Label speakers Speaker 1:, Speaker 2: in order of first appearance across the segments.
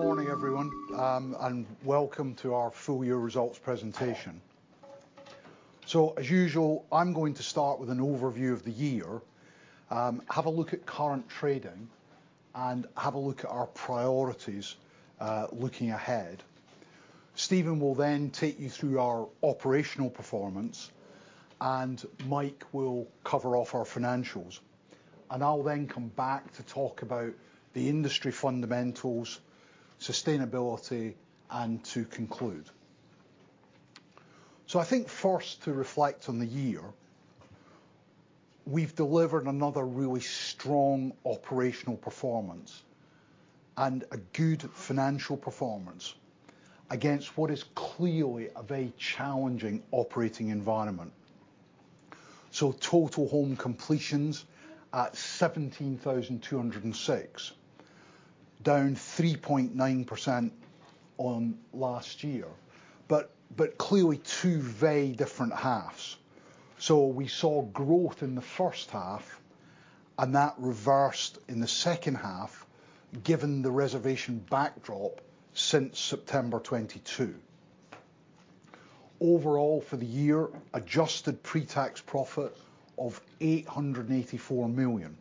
Speaker 1: Good morning, everyone, and welcome to our full year results presentation. So as usual, I'm going to start with an overview of the year, have a look at current trading, and have a look at our priorities, looking ahead. Steven will then take you through our operational performance, and Mike will cover off our financials. And I'll then come back to talk about the industry fundamentals, sustainability, and to conclude. So I think first, to reflect on the year, we've delivered another really strong operational performance and a good financial performance against what is clearly a very challenging operating environment. So total home completions at 17,206, down 3.9% on last year, but, but clearly two very different halves. So we saw growth in the first half, and that reversed in the second half, given the reservation backdrop since September 2022. Overall, for the year, adjusted pre-tax profit of 884 million.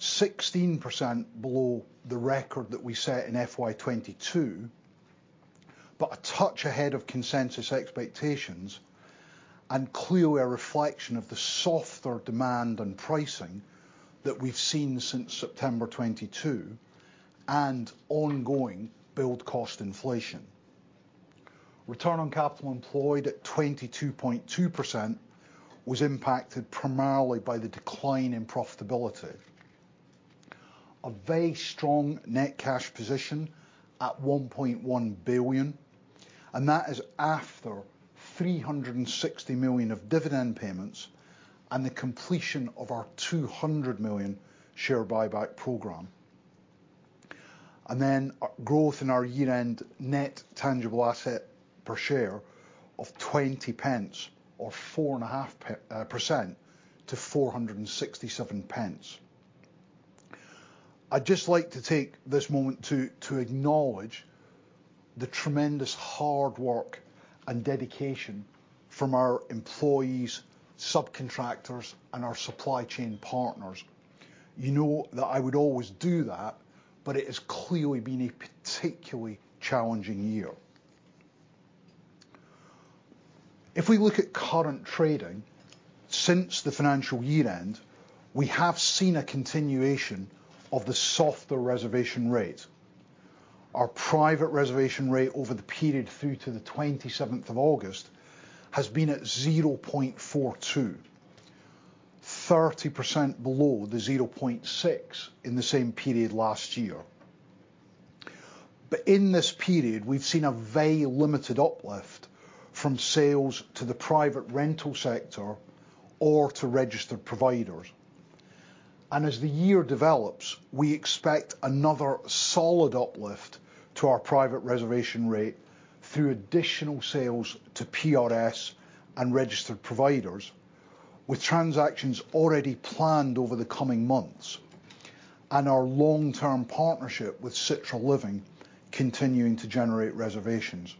Speaker 1: 16% below the record that we set in FY 2022, but a touch ahead of consensus expectations, and clearly a reflection of the softer demand and pricing that we've seen since September 2022 and ongoing build cost inflation. Return on capital employed at 22.2% was impacted primarily by the decline in profitability. A very strong net cash position at 1.1 billion, and that is after 360 million of dividend payments and the completion of our 200 million share buyback program. And then, growth in our year-end net tangible asset per share of 20 pence, or 4.5. Percent to 467 pence. I'd just like to take this moment to, to acknowledge the tremendous hard work and dedication from our employees, subcontractors, and our supply chain partners. You know that I would always do that, but it has clearly been a particularly challenging year. If we look at current trading, since the financial year end, we have seen a continuation of the softer reservation rate. Our private reservation rate over the period through to the twenty-seventh of August has been at 0.42, 30% below the 0.6 in the same period last year. But in this period, we've seen a very limited uplift from sales to the private rental sector or to registered providers. As the year develops, we expect another solid uplift to our private reservation rate through additional sales to PRS and registered providers, with transactions already planned over the coming months, and our long-term partnership with Citra Living continuing to generate reservations.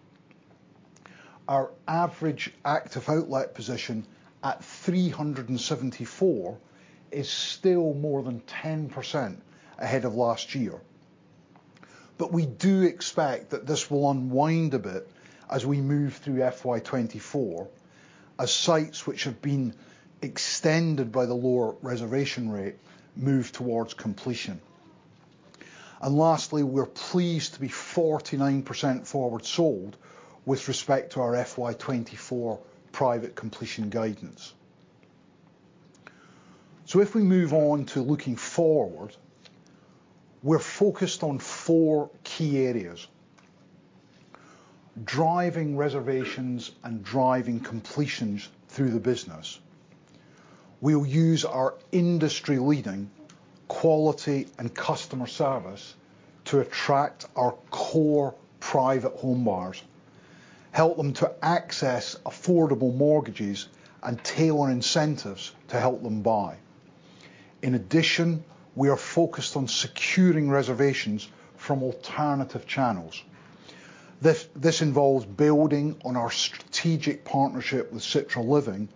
Speaker 1: Our average active outlet position at 374 is still more than 10% ahead of last year. But we do expect that this will unwind a bit as we move through FY 2024, as sites which have been extended by the lower reservation rate move towards completion. And lastly, we're pleased to be 49% forward sold with respect to our FY 2024 private completion guidance. So if we move on to looking forward, we're focused on four key areas: driving reservations and driving completions through the business. We'll use our industry-leading quality and customer service to attract our core private home buyers, help them to access affordable mortgages, and tailor incentives to help them buy. In addition, we are focused on securing reservations from alternative channels. This involves building on our strategic partnership with Citra Living,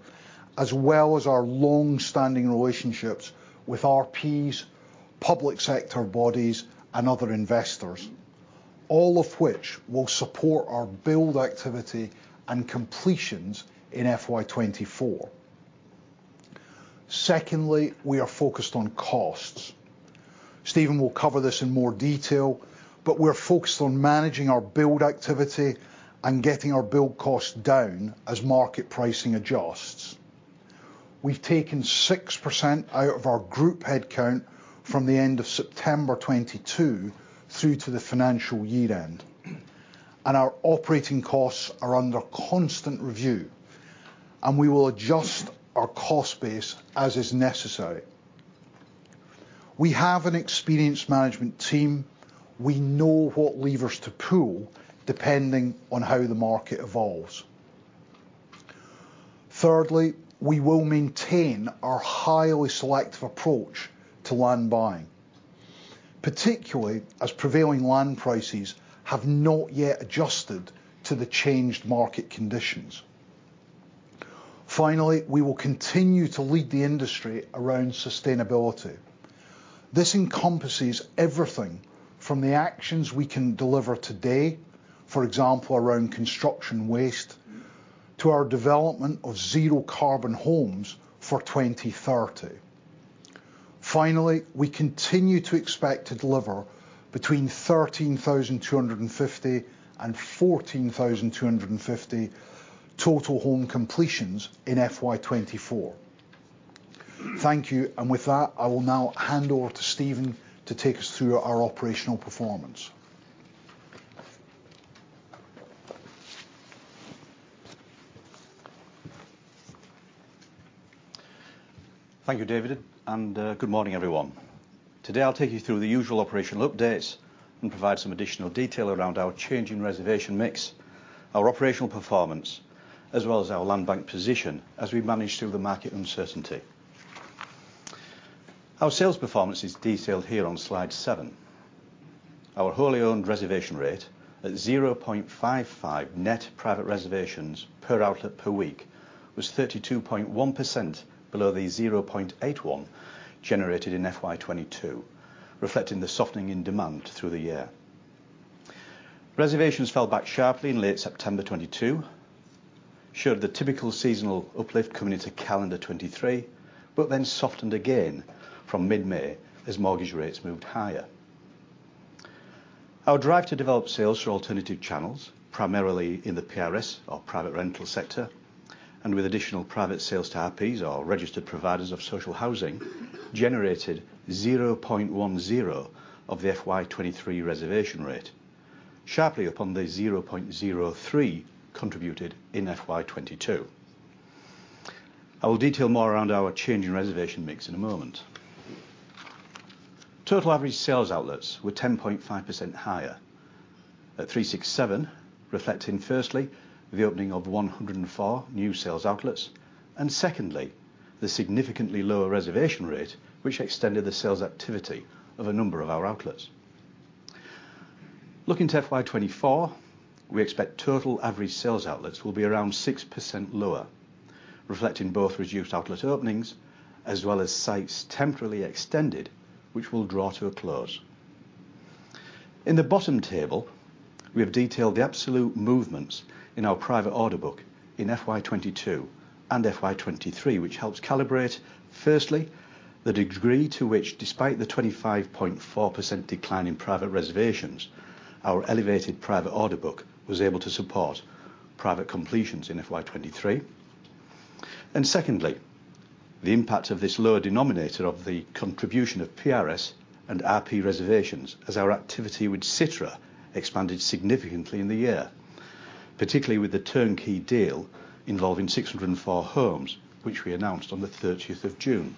Speaker 1: as well as our long-standing relationships with RPs, public sector bodies, and other investors, all of which will support our build activity and completions in FY 2024. Secondly, we are focused on costs. Steven will cover this in more detail, but we're focused on managing our build activity and getting our build costs down as market pricing adjusts. We've taken 6% out of our group headcount from the end of September 2022 through to the financial year end, and our operating costs are under constant review, and we will adjust our cost base as is necessary. We have an experienced management team. We know what levers to pull, depending on how the market evolves. Thirdly, we will maintain our highly selective approach to land buying, particularly as prevailing land prices have not yet adjusted to the changed market conditions. Finally, we will continue to lead the industry around sustainability. This encompasses everything from the actions we can deliver today, for example, around construction waste, to our development of zero carbon homes for 2030. Finally, we continue to expect to deliver between 13,250 and 14,250 total home completions in FY 2024. Thank you. And with that, I will now hand over to Steven to take us through our operational performance.
Speaker 2: Thank you, David, and good morning, everyone. Today, I'll take you through the usual operational updates and provide some additional detail around our change in reservation mix, our operational performance, as well as our land bank position as we manage through the market uncertainty. Our sales performance is detailed here on slide seven. Our wholly owned reservation rate at 0.55 net private reservations per outlet per week, was 32.1% below the 0.81 generated in FY 2022, reflecting the softening in demand through the year. Reservations fell back sharply in late September 2022, showed the typical seasonal uplift coming into calendar 2023, but then softened again from mid-May as mortgage rates moved higher. Our drive to develop sales through alternative channels, primarily in the PRS or private rental sector, and with additional private sales to RPs, or registered providers of social housing, generated 0.10 of the FY 2023 reservation rate, sharply up on the 0.03 contributed in FY 2022. I will detail more around our change in reservation mix in a moment. Total average sales outlets were 10.5% higher, at 367, reflecting firstly, the opening of 104 new sales outlets, and secondly, the significantly lower reservation rate, which extended the sales activity of a number of our outlets. Looking to FY 2024, we expect total average sales outlets will be around 6% lower, reflecting both reduced outlet openings as well as sites temporarily extended, which will draw to a close. In the bottom table, we have detailed the absolute movements in our private order book in FY 2022 and FY 2023, which helps calibrate, firstly, the degree to which, despite the 25.4% decline in private reservations, our elevated private order book was able to support private completions in FY 2023. Secondly, the impact of this lower denominator of the contribution of PRS and RP reservations as our activity with Citra expanded significantly in the year, particularly with the turnkey deal involving 604 homes, which we announced on the 30th of June.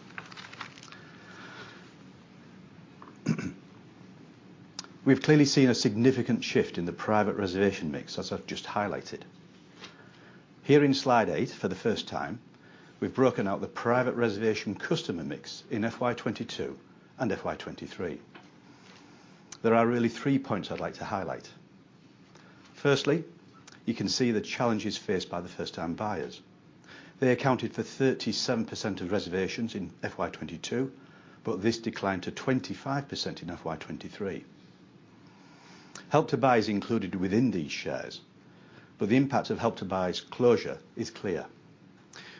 Speaker 2: We've clearly seen a significant shift in the private reservation mix, as I've just highlighted. Here in slide 8, for the first time, we've broken out the private reservation customer mix in FY 2022 and FY 2023. There are really three points I'd like to highlight. Firstly, you can see the challenges faced by the first-time buyers. They accounted for 37% of reservations in FY 2022, but this declined to 25% in FY 2023. Help to Buy is included within these shares, but the impact of Help to Buy's closure is clear,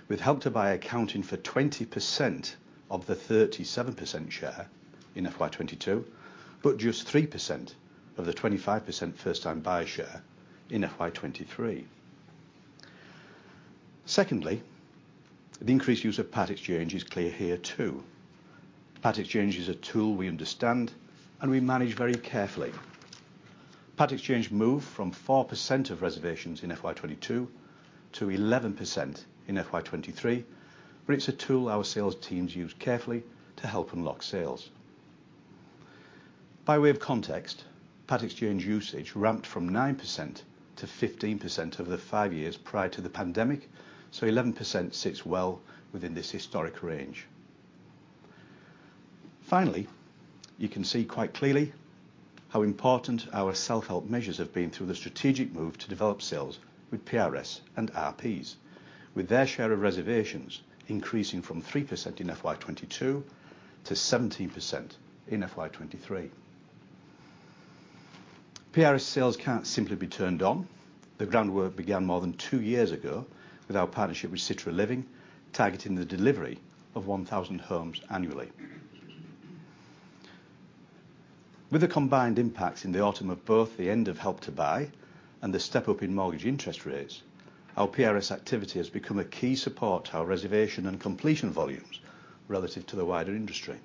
Speaker 2: with Help to Buy accounting for 20% of the 37% share in FY 2022, but just 3% of the 25% first-time buyer share in FY 2023. Secondly, the increased use of Part Exchange is clear here, too. Part Exchange is a tool we understand and we manage very carefully. Part Exchange moved from 4% of reservations in FY 2022 to 11% in FY 2023, but it's a tool our sales teams use carefully to help unlock sales. By way of context, part exchange usage ramped from 9% to 15% over the 5 years prior to the pandemic, so 11% sits well within this historic range. Finally, you can see quite clearly how important our self-help measures have been through the strategic move to develop sales with PRS and RPs, with their share of reservations increasing from 3% in FY 2022 to 17% in FY 2023. PRS sales can't simply be turned on. The groundwork began more than 2 years ago with our partnership with Citra Living, targeting the delivery of 1,000 homes annually. With the combined impact in the autumn of both the end of Help to Buy and the step up in mortgage interest rates, our PRS activity has become a key support to our reservation and completion volumes relative to the wider industry.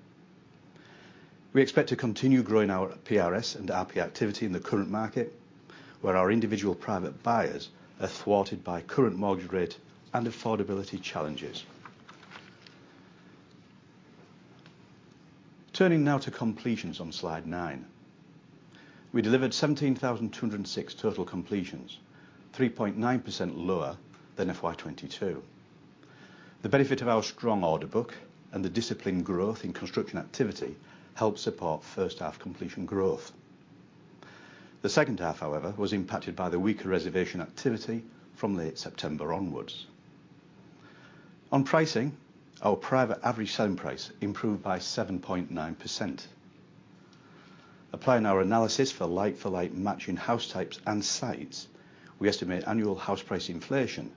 Speaker 2: We expect to continue growing our PRS and RP activity in the current market, where our individual private buyers are thwarted by current mortgage rate and affordability challenges. Turning now to completions on slide 9. We delivered 17,206 total completions, 3.9% lower than FY 2022. The benefit of our strong order book and the disciplined growth in construction activity helped support first half completion growth. The second half, however, was impacted by the weaker reservation activity from late September onwards. On pricing, our private average selling price improved by 7.9%. Applying our analysis for like-for-like matching house types and sites, we estimate annual house price inflation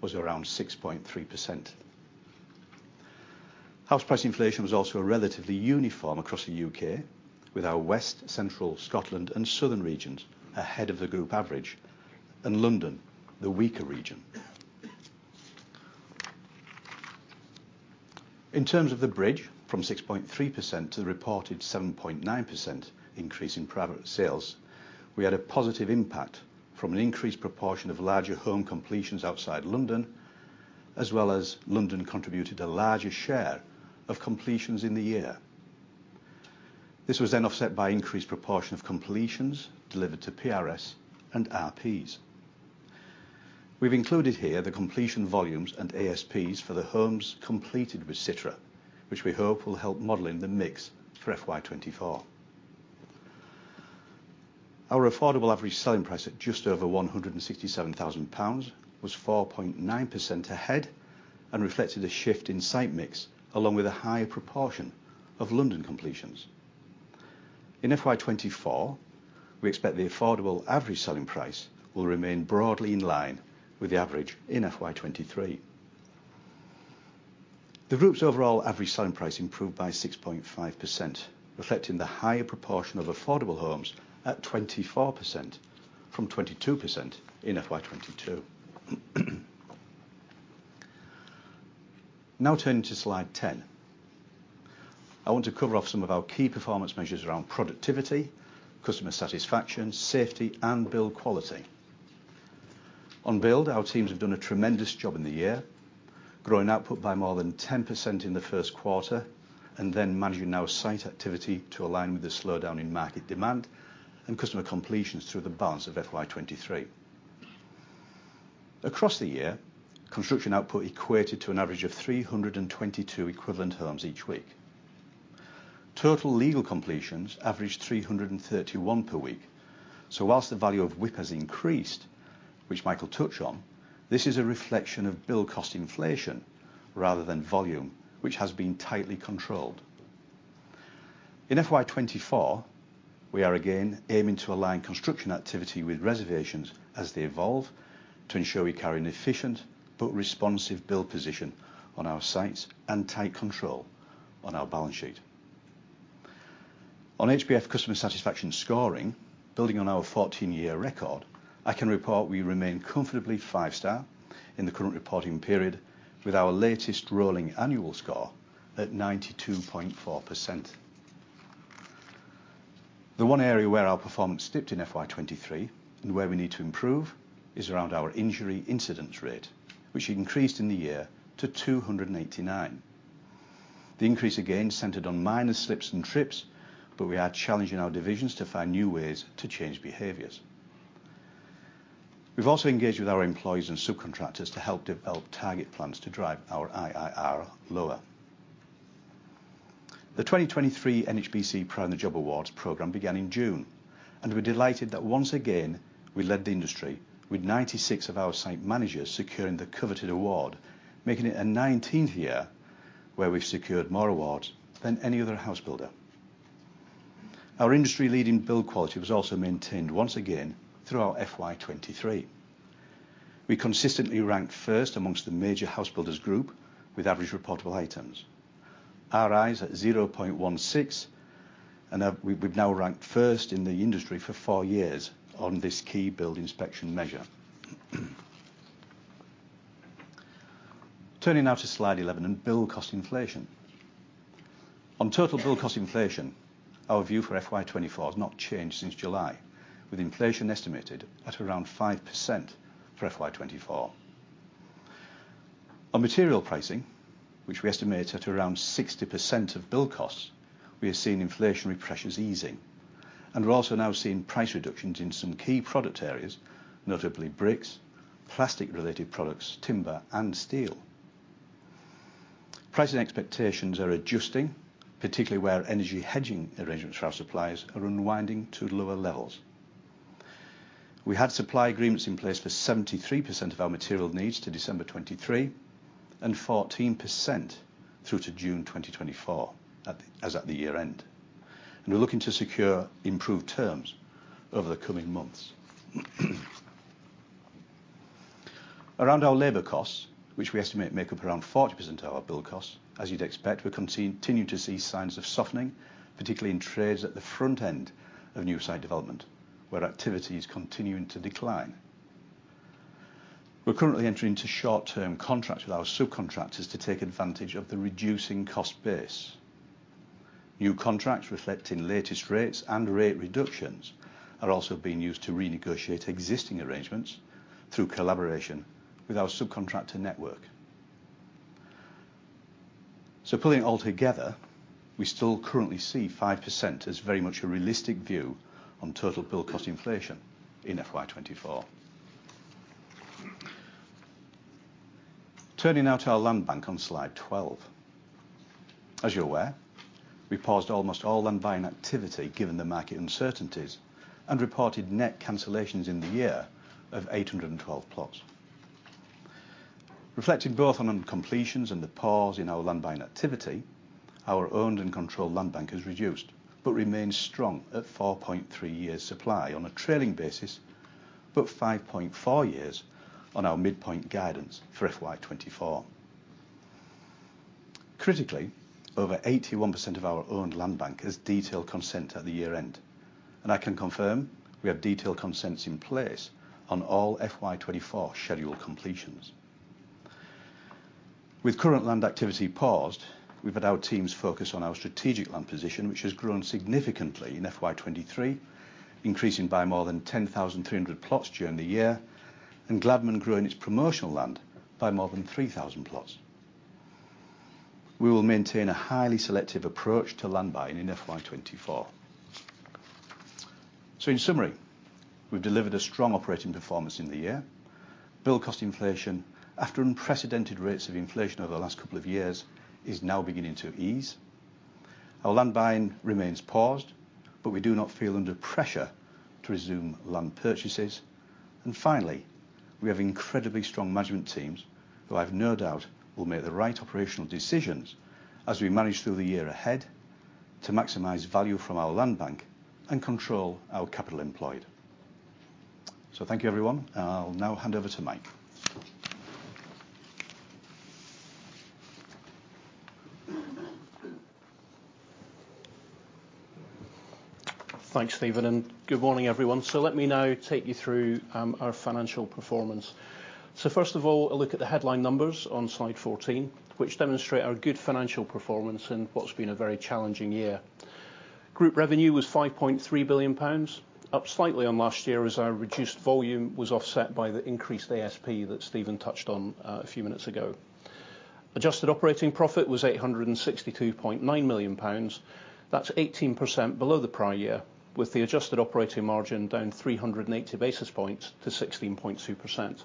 Speaker 2: was around 6.3%. House price inflation was also relatively uniform across the U.K., with our west, central Scotland and southern regions ahead of the group average, and London, the weaker region. In terms of the bridge, from 6.3% to the reported 7.9% increase in private sales, we had a positive impact from an increased proportion of larger home completions outside London, as well as London contributed a larger share of completions in the year. This was then offset by increased proportion of completions delivered to PRS and RPs. We've included here the completion volumes and ASPs for the homes completed with Citra, which we hope will help modeling the mix for FY 2024. Our affordable average selling price at just over 167,000 pounds, was 4.9% ahead and reflected a shift in site mix, along with a higher proportion of London completions. In FY 2024, we expect the affordable average selling price will remain broadly in line with the average in FY 2023. The group's overall average selling price improved by 6.5%, reflecting the higher proportion of affordable homes at 24% from 22% in FY 2022. Now turning to slide 10. I want to cover off some of our key performance measures around productivity, customer satisfaction, safety and build quality. On build, our teams have done a tremendous job in the year, growing output by more than 10% in the first quarter, and then managing our site activity to align with the slowdown in market demand and customer completions through the balance of FY 2023. Across the year, construction output equated to an average of 322 equivalent homes each week. Total legal completions averaged 331 per week, so while the value of WIP has increased, which Michael touched on, this is a reflection of build cost inflation rather than volume, which has been tightly controlled. In FY 2024, we are again aiming to align construction activity with reservations as they evolve, to ensure we carry an efficient but responsive build position on our sites and tight control on our balance sheet. On HBF customer satisfaction scoring, building on our 14-year record, I can report we remain comfortably five star in the current reporting period, with our latest rolling annual score at 92.4%. The one area where our performance dipped in FY 2023 and where we need to improve, is around our injury incidence rate, which increased in the year to 289. The increase again centered on minor slips and trips, but we are challenging our divisions to find new ways to change behaviors. We've also engaged with our employees and subcontractors to help develop target plans to drive our IIR lower. The 2023 NHBC Pride in the Job Awards program began in June, and we're delighted that once again, we led the industry with 96 of our site managers securing the coveted award, making it a 19th year where we've secured more awards than any other house builder. Our industry-leading build quality was also maintained once again throughout FY 2023. We consistently ranked first amongst the major house builders group, with average reportable items, RIs at 0.16, and we've now ranked first in the industry for four years on this key build inspection measure. Turning now to slide 11 and build cost inflation. On total build cost inflation, our view for FY 2024 has not changed since July, with inflation estimated at around 5% for FY 2024. On material pricing, which we estimate at around 60% of build costs, we have seen inflationary pressures easing, and we're also now seeing price reductions in some key product areas, notably bricks, plastic related products, timber and steel. Pricing expectations are adjusting, particularly where energy hedging arrangements for our suppliers are unwinding to lower levels. We had supply agreements in place for 73% of our material needs to December 2023, and 14% through to June 2024, as at the year-end, and we're looking to secure improved terms over the coming months. Around our labor costs, which we estimate make up around 40% of our build costs, as you'd expect, we continue to see signs of softening, particularly in trades at the front end of new site development, where activity is continuing to decline. We're currently entering into short-term contracts with our subcontractors to take advantage of the reducing cost base. New contracts reflecting latest rates and rate reductions, are also being used to renegotiate existing arrangements through collaboration with our subcontractor network. So pulling it all together, we still currently see 5% as very much a realistic view on total build cost inflation in FY 2024. Turning now to our land bank on slide 12. As you're aware, we paused almost all land buying activity, given the market uncertainties, and reported net cancellations in the year of 812 plots. Reflecting both on incompletions and the pause in our land buying activity, our owned and controlled land bank has reduced, but remains strong at 4.3 years supply on a trailing basis, but 5.4 years on our midpoint guidance for FY 2024. Critically, over 81% of our owned land bank is detailed consent at the year-end, and I can confirm we have detailed consents in place on all FY 2024 scheduled completions. With current land activity paused, we've had our teams focus on our strategic land position, which has grown significantly in FY 2023, increasing by more than 10,300 plots during the year, and Gladman growing its promotional land by more than 3,000 plots. We will maintain a highly selective approach to land buying in FY 2024. So in summary, we've delivered a strong operating performance in the year. Build cost inflation, after unprecedented rates of inflation over the last couple of years, is now beginning to ease. Our land buying remains paused, but we do not feel under pressure to resume land purchases. And finally, we have incredibly strong management teams who I have no doubt will make the right operational decisions as we manage through the year ahead to maximize value from our land bank and control our capital employed. So thank you, everyone. I'll now hand over to Mike.
Speaker 3: Thanks, Steven, and good morning, everyone. So let me now take you through our financial performance. So first of all, a look at the headline numbers on slide 14, which demonstrate our good financial performance in what's been a very challenging year. Group revenue was 5.3 billion pounds, up slightly on last year as our reduced volume was offset by the increased ASP that Steven touched on a few minutes ago. Adjusted operating profit was 862.9 million pounds. That's 18% below the prior year, with the adjusted operating margin down 380 basis points to 16.2%.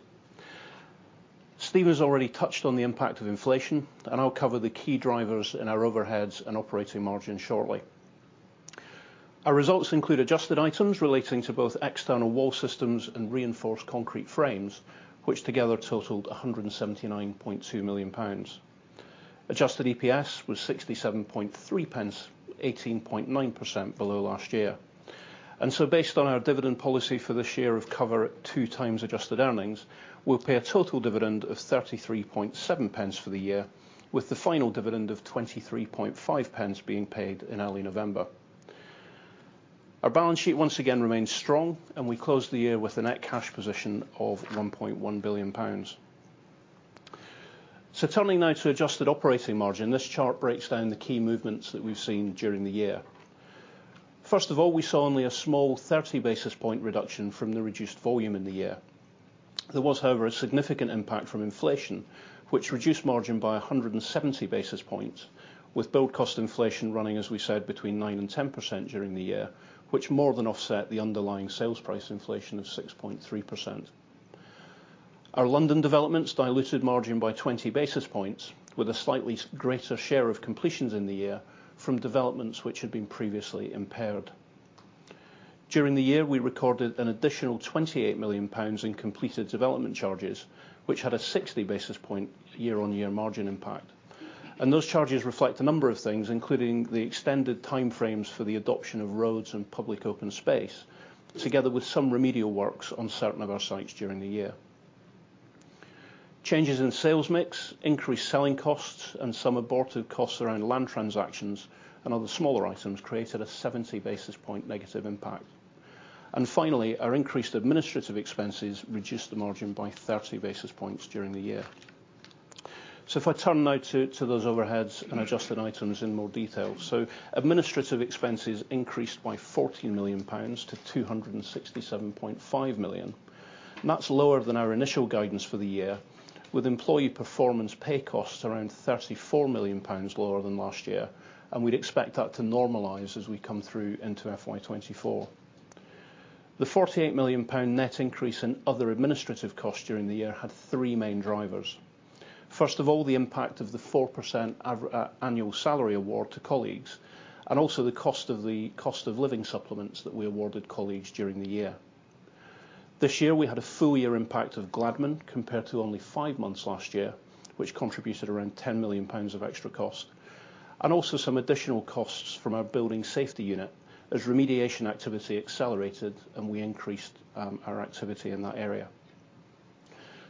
Speaker 3: Steven has already touched on the impact of inflation, and I'll cover the key drivers in our overheads and operating margin shortly. Our results include adjusted items relating to both external wall systems and reinforced concrete frames, which together totaled 179.2 million pounds. Adjusted EPS was 0.673, 18.9% below last year. Based on our dividend policy for this year of cover at two times adjusted earnings, we'll pay a total dividend of 0.337 for the year, with the final dividend of 0.235 being paid in early November. Our balance sheet once again remains strong, and we closed the year with a net cash position of 1.1 billion pounds. Turning now to adjusted operating margin, this chart breaks down the key movements that we've seen during the year. First of all, we saw only a small 30 basis point reduction from the reduced volume in the year. There was, however, a significant impact from inflation, which reduced margin by 170 basis points, with build cost inflation running, as we said, between 9% and 10% during the year, which more than offset the underlying sales price inflation of 6.3%. Our London developments diluted margin by 20 basis points, with a slightly greater share of completions in the year from developments which had been previously impaired. During the year, we recorded an additional 28 million pounds in completed development charges, which had a 60 basis point year-on-year margin impact. And those charges reflect a number of things, including the extended time frames for the adoption of roads and public open space, together with some remedial works on certain of our sites during the year. Changes in sales mix, increased selling costs, and some aborted costs around land transactions and other smaller items created a 70 basis point negative impact. And finally, our increased administrative expenses reduced the margin by 30 basis points during the year. So if I turn now to those overheads and adjusted items in more detail. Administrative expenses increased by 40 million pounds to 267.5 million. And that's lower than our initial guidance for the year, with employee performance pay costs around 34 million pounds lower than last year, and we'd expect that to normalize as we come through into FY 2024. The 48 million pound net increase in other administrative costs during the year had three main drivers. First of all, the impact of the 4% annual salary award to colleagues, and also the cost of the cost of living supplements that we awarded colleagues during the year. This year, we had a full year impact of Gladman, compared to only five months last year, which contributed around 10 million pounds of extra cost, and also some additional costs from our Building Safety Unit as remediation activity accelerated and we increased our activity in that area.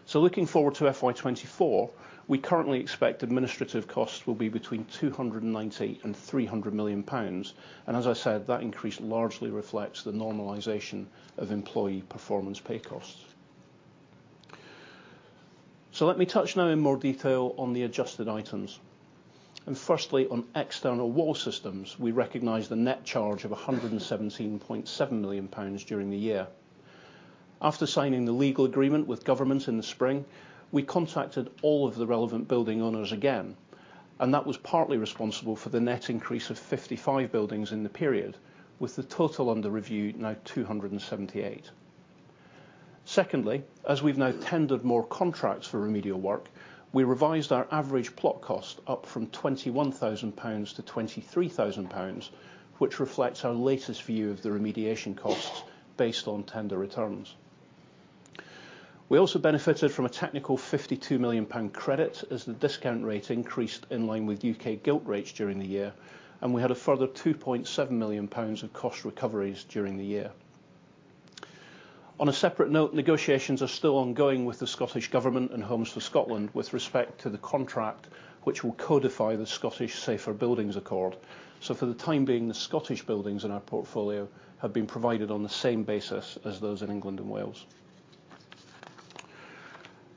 Speaker 3: So looking forward to FY 2024, we currently expect administrative costs will be between 290 million and 300 million pounds, and as I said, that increase largely reflects the normalization of employee performance pay costs. So let me touch now in more detail on the adjusted items. And firstly, on external wall systems, we recognize the net charge of 117.7 million pounds during the year. After signing the legal agreement with government in the spring, we contacted all of the relevant building owners again, and that was partly responsible for the net increase of 55 buildings in the period, with the total under review now 278. Secondly, as we've now tendered more contracts for remedial work, we revised our average plot cost up from 21,000 pounds to 23,000 pounds, which reflects our latest view of the remediation costs based on tender returns. We also benefited from a technical 52 million pound credit, as the discount rate increased in line with UK gilt rates during the year, and we had a further 2.7 million pounds of cost recoveries during the year. On a separate note, negotiations are still ongoing with the Scottish Government and Homes for Scotland, with respect to the contract, which will codify the Scottish Safer Buildings Accord. So for the time being, the Scottish buildings in our portfolio have been provided on the same basis as those in England and Wales.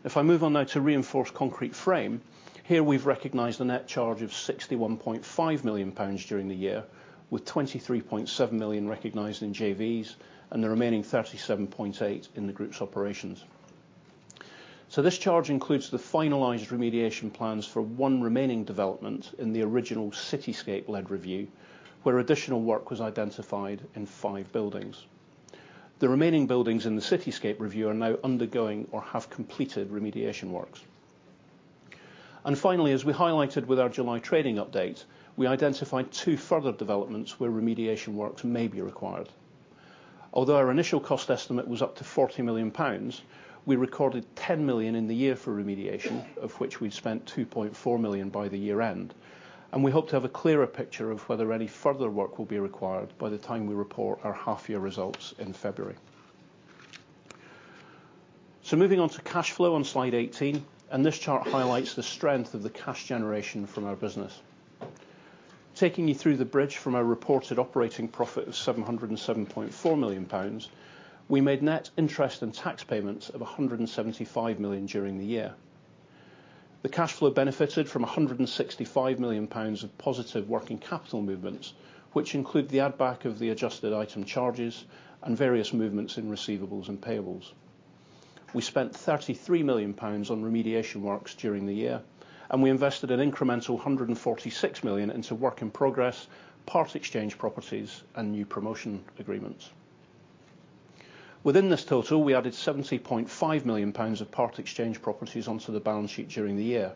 Speaker 3: If I move on now to reinforced concrete frame, here we've recognized a net charge of 61.5 million pounds during the year, with 23.7 million recognized in JVs and the remaining 37.8 million in the group's operations. So this charge includes the finalized remediation plans for one remaining development in the original Citiscape-led review, where additional work was identified in five buildings. The remaining buildings in the Citiscape review are now undergoing or have completed remediation works. Finally, as we highlighted with our July trading update, we identified two further developments where remediation works may be required. Although our initial cost estimate was up to 40 million pounds, we recorded 10 million in the year for remediation, of which we'd spent 2.4 million by the year end, and we hope to have a clearer picture of whether any further work will be required by the time we report our half-year results in February. So moving on to cash flow on slide 18, and this chart highlights the strength of the cash generation from our business. Taking you through the bridge from our reported operating profit of 707.4 million pounds, we made net interest and tax payments of 175 million during the year. The cash flow benefited from 165 million pounds of positive working capital movements, which include the add back of the adjusted item charges and various movements in receivables and payables. We spent 33 million pounds on remediation works during the year, and we invested an incremental 146 million into work in progress, part exchange properties, and new promotion agreements. Within this total, we added 70.5 million pounds of part exchange properties onto the balance sheet during the year.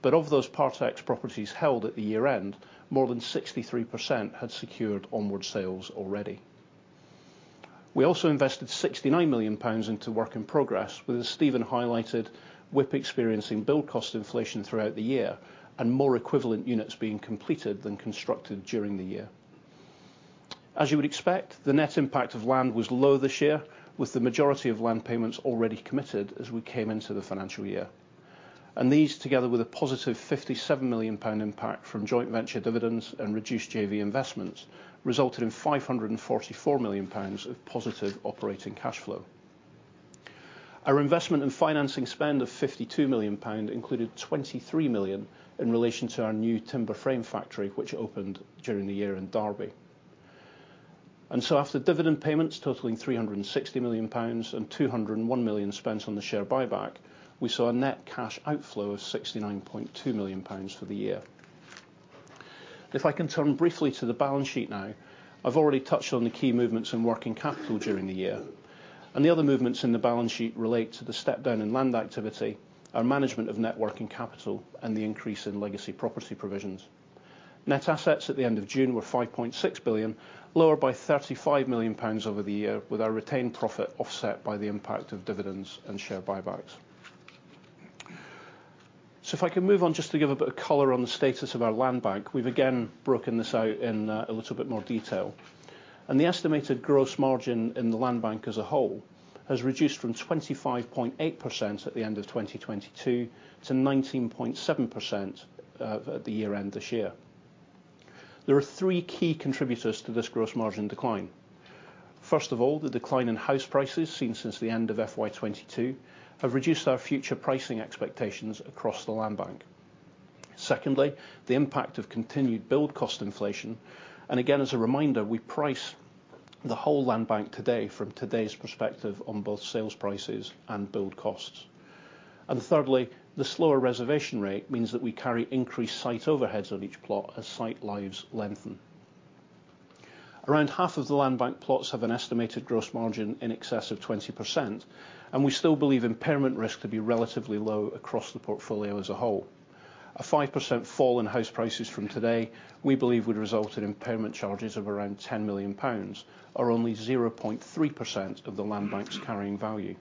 Speaker 3: But of those part ex properties held at the year-end, more than 63% had secured onward sales already. We also invested 69 million pounds into work in progress, with Steven highlighted, WIP experiencing build cost inflation throughout the year and more equivalent units being completed than constructed during the year. As you would expect, the net impact of land was low this year, with the majority of land payments already committed as we came into the financial year. These, together with a positive 57 million pound impact from joint venture dividends and reduced JV investments, resulted in 544 million pounds of positive operating cash flow. Our investment and financing spend of 52 million pound included 23 million in relation to our new timber frame factory, which opened during the year in Derby. So after dividend payments totaling 360 million pounds and 201 million spent on the share buyback, we saw a net cash outflow of 69.2 million pounds for the year. If I can turn briefly to the balance sheet now, I've already touched on the key movements in working capital during the year, and the other movements in the balance sheet relate to the step down in land activity, our management of net working capital, and the increase in legacy property provisions. Net assets at the end of June were 5.6 billion, lower by 35 million pounds over the year, with our retained profit offset by the impact of dividends and share buybacks. So if I can move on just to give a bit of color on the status of our land bank, we've again broken this out in a little bit more detail. The estimated gross margin in the land bank as a whole has reduced from 25.8% at the end of 2022 to 19.7% at the year-end this year. There are three key contributors to this gross margin decline. First of all, the decline in house prices, seen since the end of FY 2022, have reduced our future pricing expectations across the land bank. Secondly, the impact of continued build cost inflation, and again, as a reminder, we price the whole land bank today from today's perspective on both sales prices and build costs. And thirdly, the slower reservation rate means that we carry increased site overheads on each plot as site lives lengthen. Around half of the land bank plots have an estimated gross margin in excess of 20%, and we still believe impairment risk to be relatively low across the portfolio as a whole. A 5% fall in house prices from today, we believe, would result in impairment charges of around 10 million pounds, or only 0.3% of the land bank's carrying value.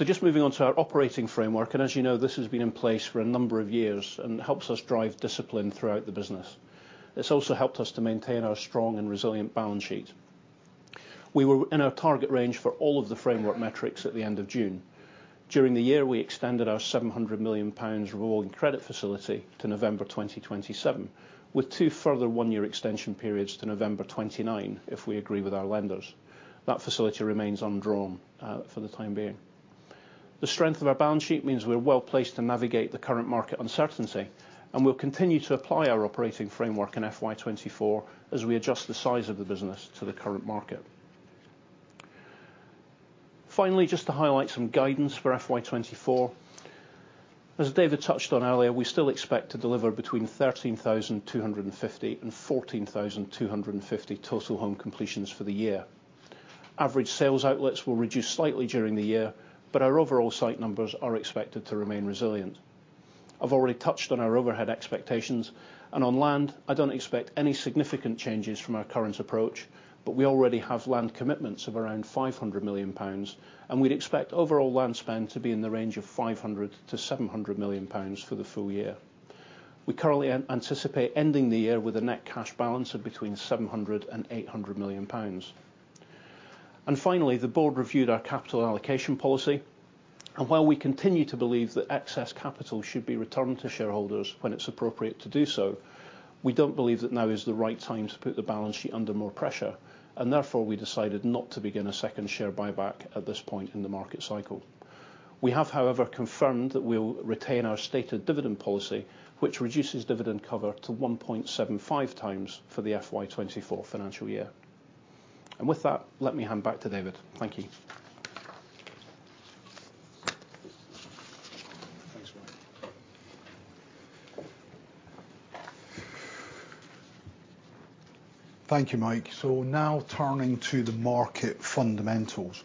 Speaker 3: So just moving on to our operating framework, and as you know, this has been in place for a number of years and helps us drive discipline throughout the business. It's also helped us to maintain our strong and resilient balance sheet. We were in our target range for all of the framework metrics at the end of June. During the year, we extended our 700 million pounds revolving credit facility to November 2027, with two further one-year extension periods to November 2029, if we agree with our lenders. That facility remains undrawn, for the time being. The strength of our balance sheet means we're well placed to navigate the current market uncertainty, and we'll continue to apply our operating framework in FY 2024 as we adjust the size of the business to the current market. Finally, just to highlight some guidance for FY 2024. As David touched on earlier, we still expect to deliver between 13,250 and 14,250 total home completions for the year. Average sales outlets will reduce slightly during the year, but our overall site numbers are expected to remain resilient. I've already touched on our overhead expectations, and on land, I don't expect any significant changes from our current approach, but we already have land commitments of around 500 million pounds, and we'd expect overall land spend to be in the range of 500 million-700 million pounds for the full year. We currently anticipate ending the year with a net cash balance of between 700 million and 800 million pounds. And finally, the board reviewed our capital allocation policy, and while we continue to believe that excess capital should be returned to shareholders when it's appropriate to do so, we don't believe that now is the right time to put the balance sheet under more pressure, and therefore, we decided not to begin a second share buyback at this point in the market cycle. We have, however, confirmed that we'll retain our stated dividend policy, which reduces dividend cover to 1.75 times for the FY 2024 financial year. With that, let me hand back to David. Thank you.
Speaker 1: Thanks, Mike. Thank you, Mike. So now turning to the market fundamentals.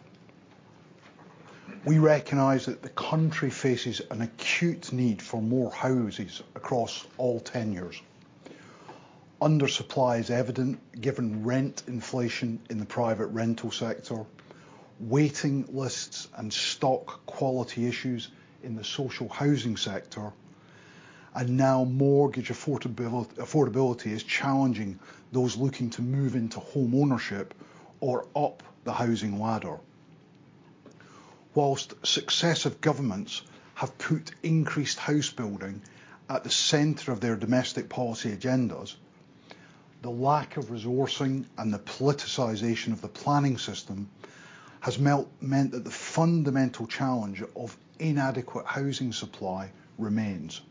Speaker 1: We recognize that the country faces an acute need for more houses across all tenures. Under supply is evident, given rent inflation in the private rental sector, waiting lists and stock quality issues in the social housing sector, and now mortgage affordability is challenging those looking to move into home ownership or up the housing ladder. Whilst successive governments have put increased house building at the center of their domestic policy agendas, the lack of resourcing and the politicization of the planning system has meant that the fundamental challenge of inadequate housing supply remains.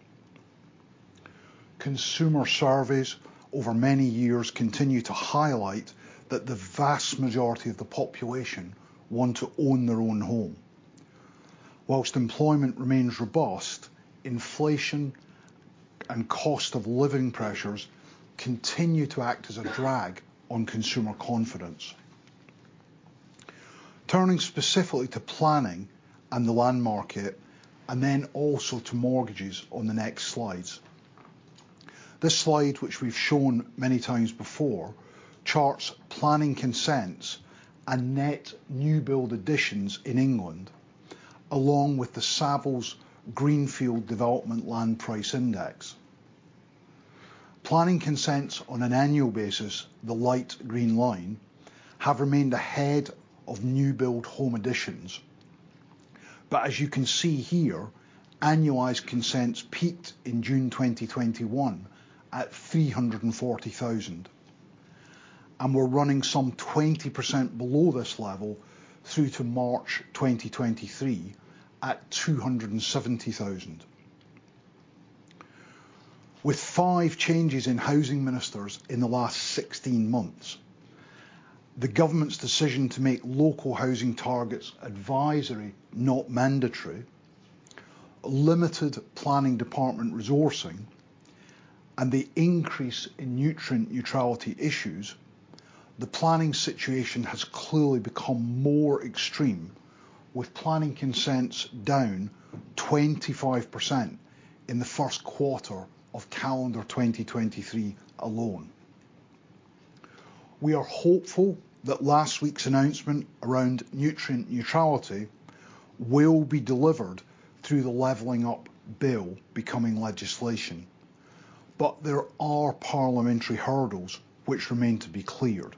Speaker 1: Consumer surveys over many years continue to highlight that the vast majority of the population want to own their own home. Whilst employment remains robust, inflation and cost of living pressures continue to act as a drag on consumer confidence. Turning specifically to planning and the land market, and then also to mortgages on the next slides. This slide, which we've shown many times before, charts planning consents and net new build additions in England, along with the Savills Greenfield Development Land Price Index. Planning consents on an annual basis, the light green line, have remained ahead of new build home additions. But as you can see here, annualized consents peaked in June 2021 at 340,000, and we're running some 20% below this level through to March 2023 at 270,000. With five changes in housing ministers in the last 16 months, the government's decision to make local housing targets advisory, not mandatory, limited planning department resourcing, and the increase in nutrient neutrality issues, the planning situation has clearly become more extreme, with planning consents down 25% in the first quarter of calendar 2023 alone. We are hopeful that last week's announcement around nutrient neutrality will be delivered through the Leveling Up Bill becoming legislation, but there are parliamentary hurdles which remain to be cleared.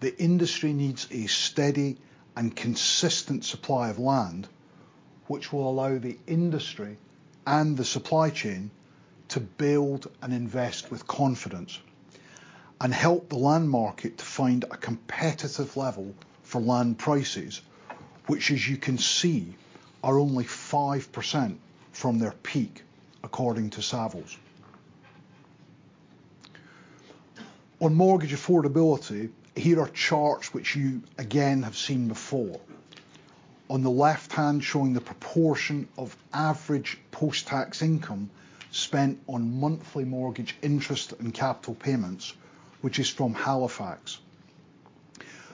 Speaker 1: The industry needs a steady and consistent supply of land, which will allow the industry and the supply chain to build and invest with confidence and help the land market to find a competitive level for land prices, which, as you can see, are only 5% from their peak, according to Savills. On mortgage affordability, here are charts which you again have seen before. On the left hand, showing the proportion of average post-tax income spent on monthly mortgage interest and capital payments, which is from Halifax.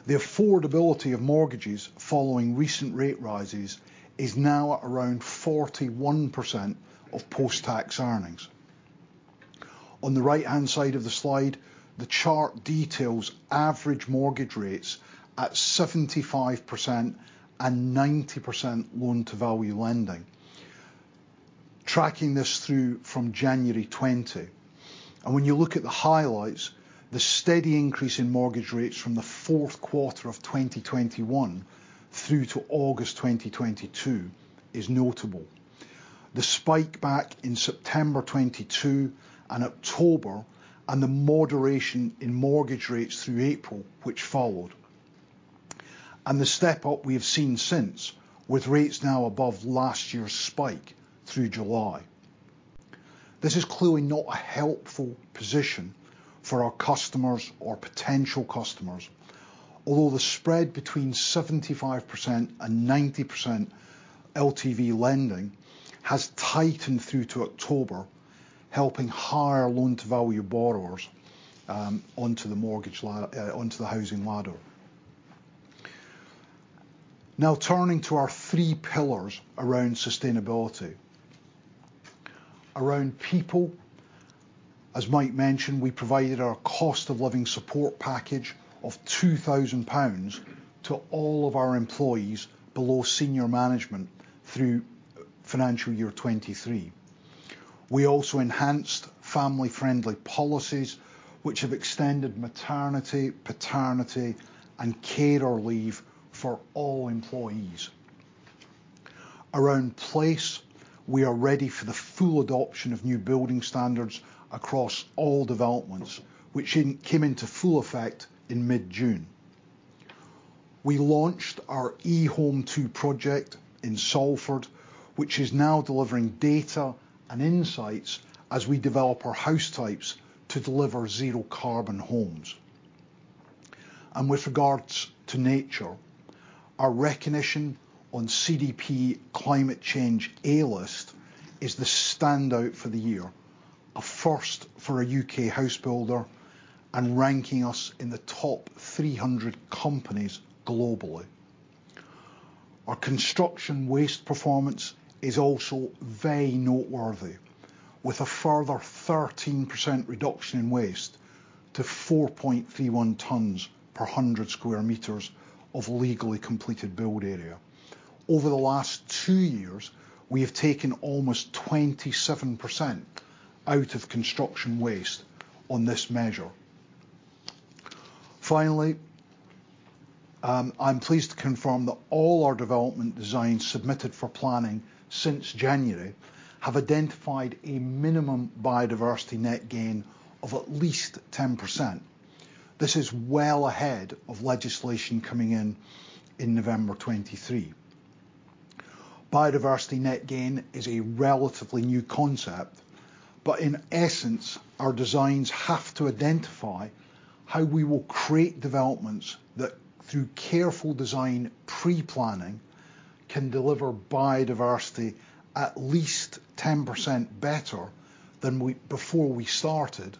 Speaker 1: The affordability of mortgages following recent rate rises is now at around 41% of post-tax earnings. On the right-hand side of the slide, the chart details average mortgage rates at 75% and 90% loan-to-value lending. Tracking this through from January 2020, and when you look at the highlights, the steady increase in mortgage rates from the fourth quarter of 2021 through to August 2022 is notable, the spike back in September 2022 and October, and the moderation in mortgage rates through April, which followed, and the step up we have seen since, with rates now above last year's spike through July. This is clearly not a helpful position for our customers or potential customers. Although the spread between 75% and 90% LTV lending has tightened through to October, helping higher loan-to-value borrowers onto the mortgage ladder, onto the housing ladder. Now, turning to our three pillars around sustainability. Around people, as Mike mentioned, we provided our cost of living support package of 2,000 pounds to all of our employees below senior management through financial year 2023. We also enhanced family-friendly policies, which have extended maternity, paternity, and carer leave for all employees. Around place, we are ready for the full adoption of new building standards across all developments, which came into full effect in mid-June. We launched our eHome2 project in Salford, which is now delivering data and insights as we develop our house types to deliver zero carbon homes. With regards to nature, our recognition on CDP Climate Change A List is the standout for the year, a first for a U.K. house builder and ranking us in the top 300 companies globally. Our construction waste performance is also very noteworthy, with a further 13% reduction in waste to 4.31 tons per 100 square meters of legally completed build area. Over the last two years, we have taken almost 27% out of construction waste on this measure. Finally, I'm pleased to confirm that all our development designs submitted for planning since January have identified a minimum biodiversity net gain of at least 10%. This is well ahead of legislation coming in in November 2023. Biodiversity net gain is a relatively new concept, but in essence, our designs have to identify how we will create developments that, through careful design pre-planning, can deliver biodiversity at least 10% better than before we started,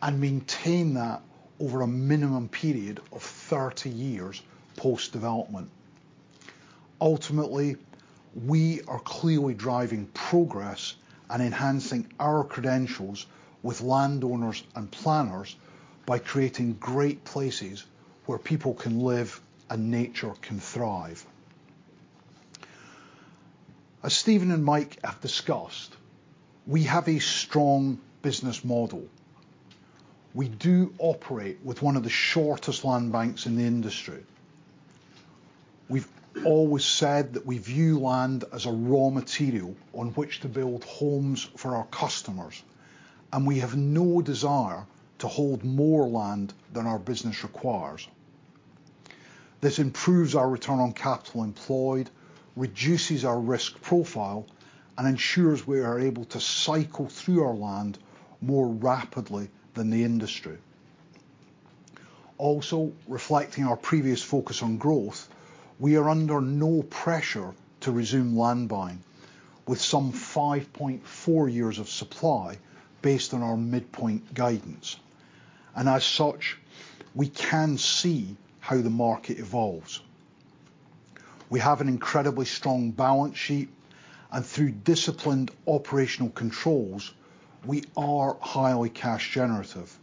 Speaker 1: and maintain that over a minimum period of 30 years post-development. Ultimately, we are clearly driving progress and enhancing our credentials with landowners and planners by creating great places where people can live and nature can thrive. As Steven and Mike have discussed, we have a strong business model. We do operate with one of the shortest land banks in the industry. We've always said that we view land as a raw material on which to build homes for our customers, and we have no desire to hold more land than our business requires. This improves our return on capital employed, reduces our risk profile, and ensures we are able to cycle through our land more rapidly than the industry. Also, reflecting our previous focus on growth, we are under no pressure to resume land buying, with some 5.4 years of supply based on our midpoint guidance, and as such, we can see how the market evolves. We have an incredibly strong balance sheet, and through disciplined operational controls, we are highly cash generative.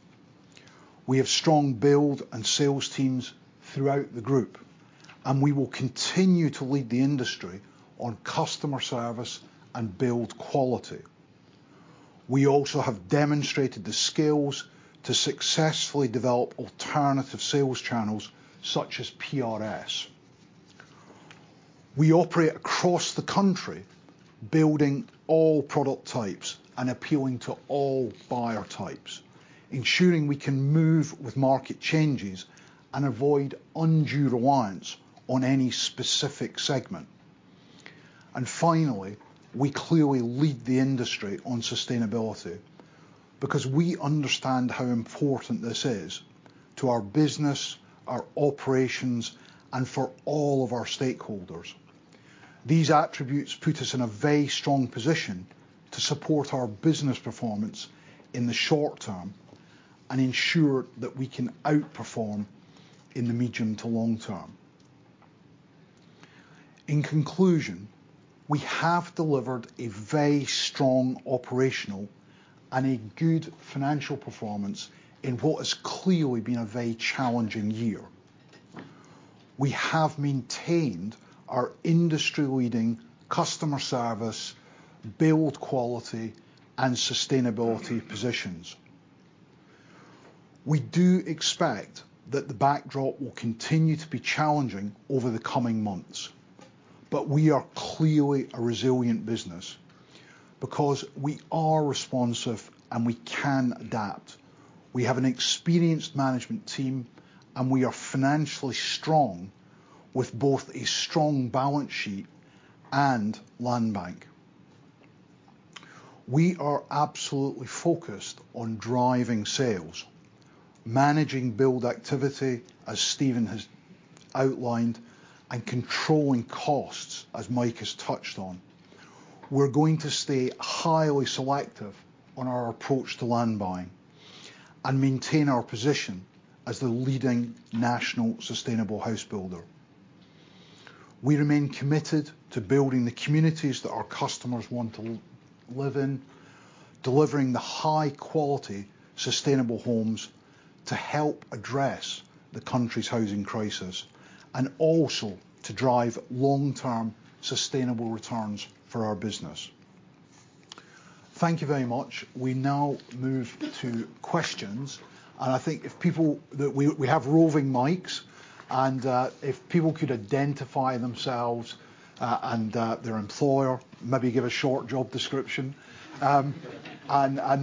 Speaker 1: We have strong build and sales teams throughout the group, and we will continue to lead the industry on customer service and build quality. We also have demonstrated the skills to successfully develop alternative sales channels, such as PRS. We operate across the country, building all product types and appealing to all buyer types, ensuring we can move with market changes and avoid undue reliance on any specific segment. And finally, we clearly lead the industry on sustainability, because we understand how important this is to our business, our operations, and for all of our stakeholders. These attributes put us in a very strong position to support our business performance in the short term and ensure that we can outperform in the medium to long term. In conclusion, we have delivered a very strong operational and a good financial performance in what has clearly been a very challenging year. We have maintained our industry-leading customer service, build quality, and sustainability positions. We do expect that the backdrop will continue to be challenging over the coming months. But we are clearly a resilient business, because we are responsive, and we can adapt. We have an experienced management team, and we are financially strong, with both a strong balance sheet and land bank. We are absolutely focused on driving sales, managing build activity, as Steven has outlined, and controlling costs, as Mike has touched on. We're going to stay highly selective on our approach to land buying and maintain our position as the leading national sustainable house builder. We remain committed to building the communities that our customers want to live in, delivering the high quality, sustainable homes to help address the country's housing crisis and also to drive long-term sustainable returns for our business. Thank you very much. We now move to questions, and I think if people that we have roving mics and if people could identify themselves and their employer, maybe give a short job description. And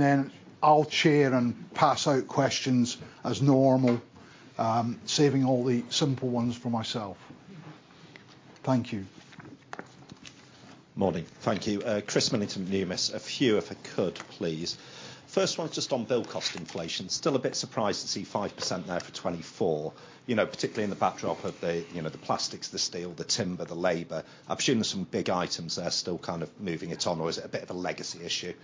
Speaker 1: then I'll chair and pass out questions as normal, saving all the simple ones for myself. Thank you.
Speaker 4: Morning. Thank you, Chris Millington, Numis. A few, if I could, please. First one, just on build cost inflation. Still a bit surprised to see 5% there for 2024. You know, particularly in the backdrop of the, you know, the plastics, the steel, the timber, the labor. I'm assuming there's some big items there still kind of moving it on, or is it a bit of a legacy issue?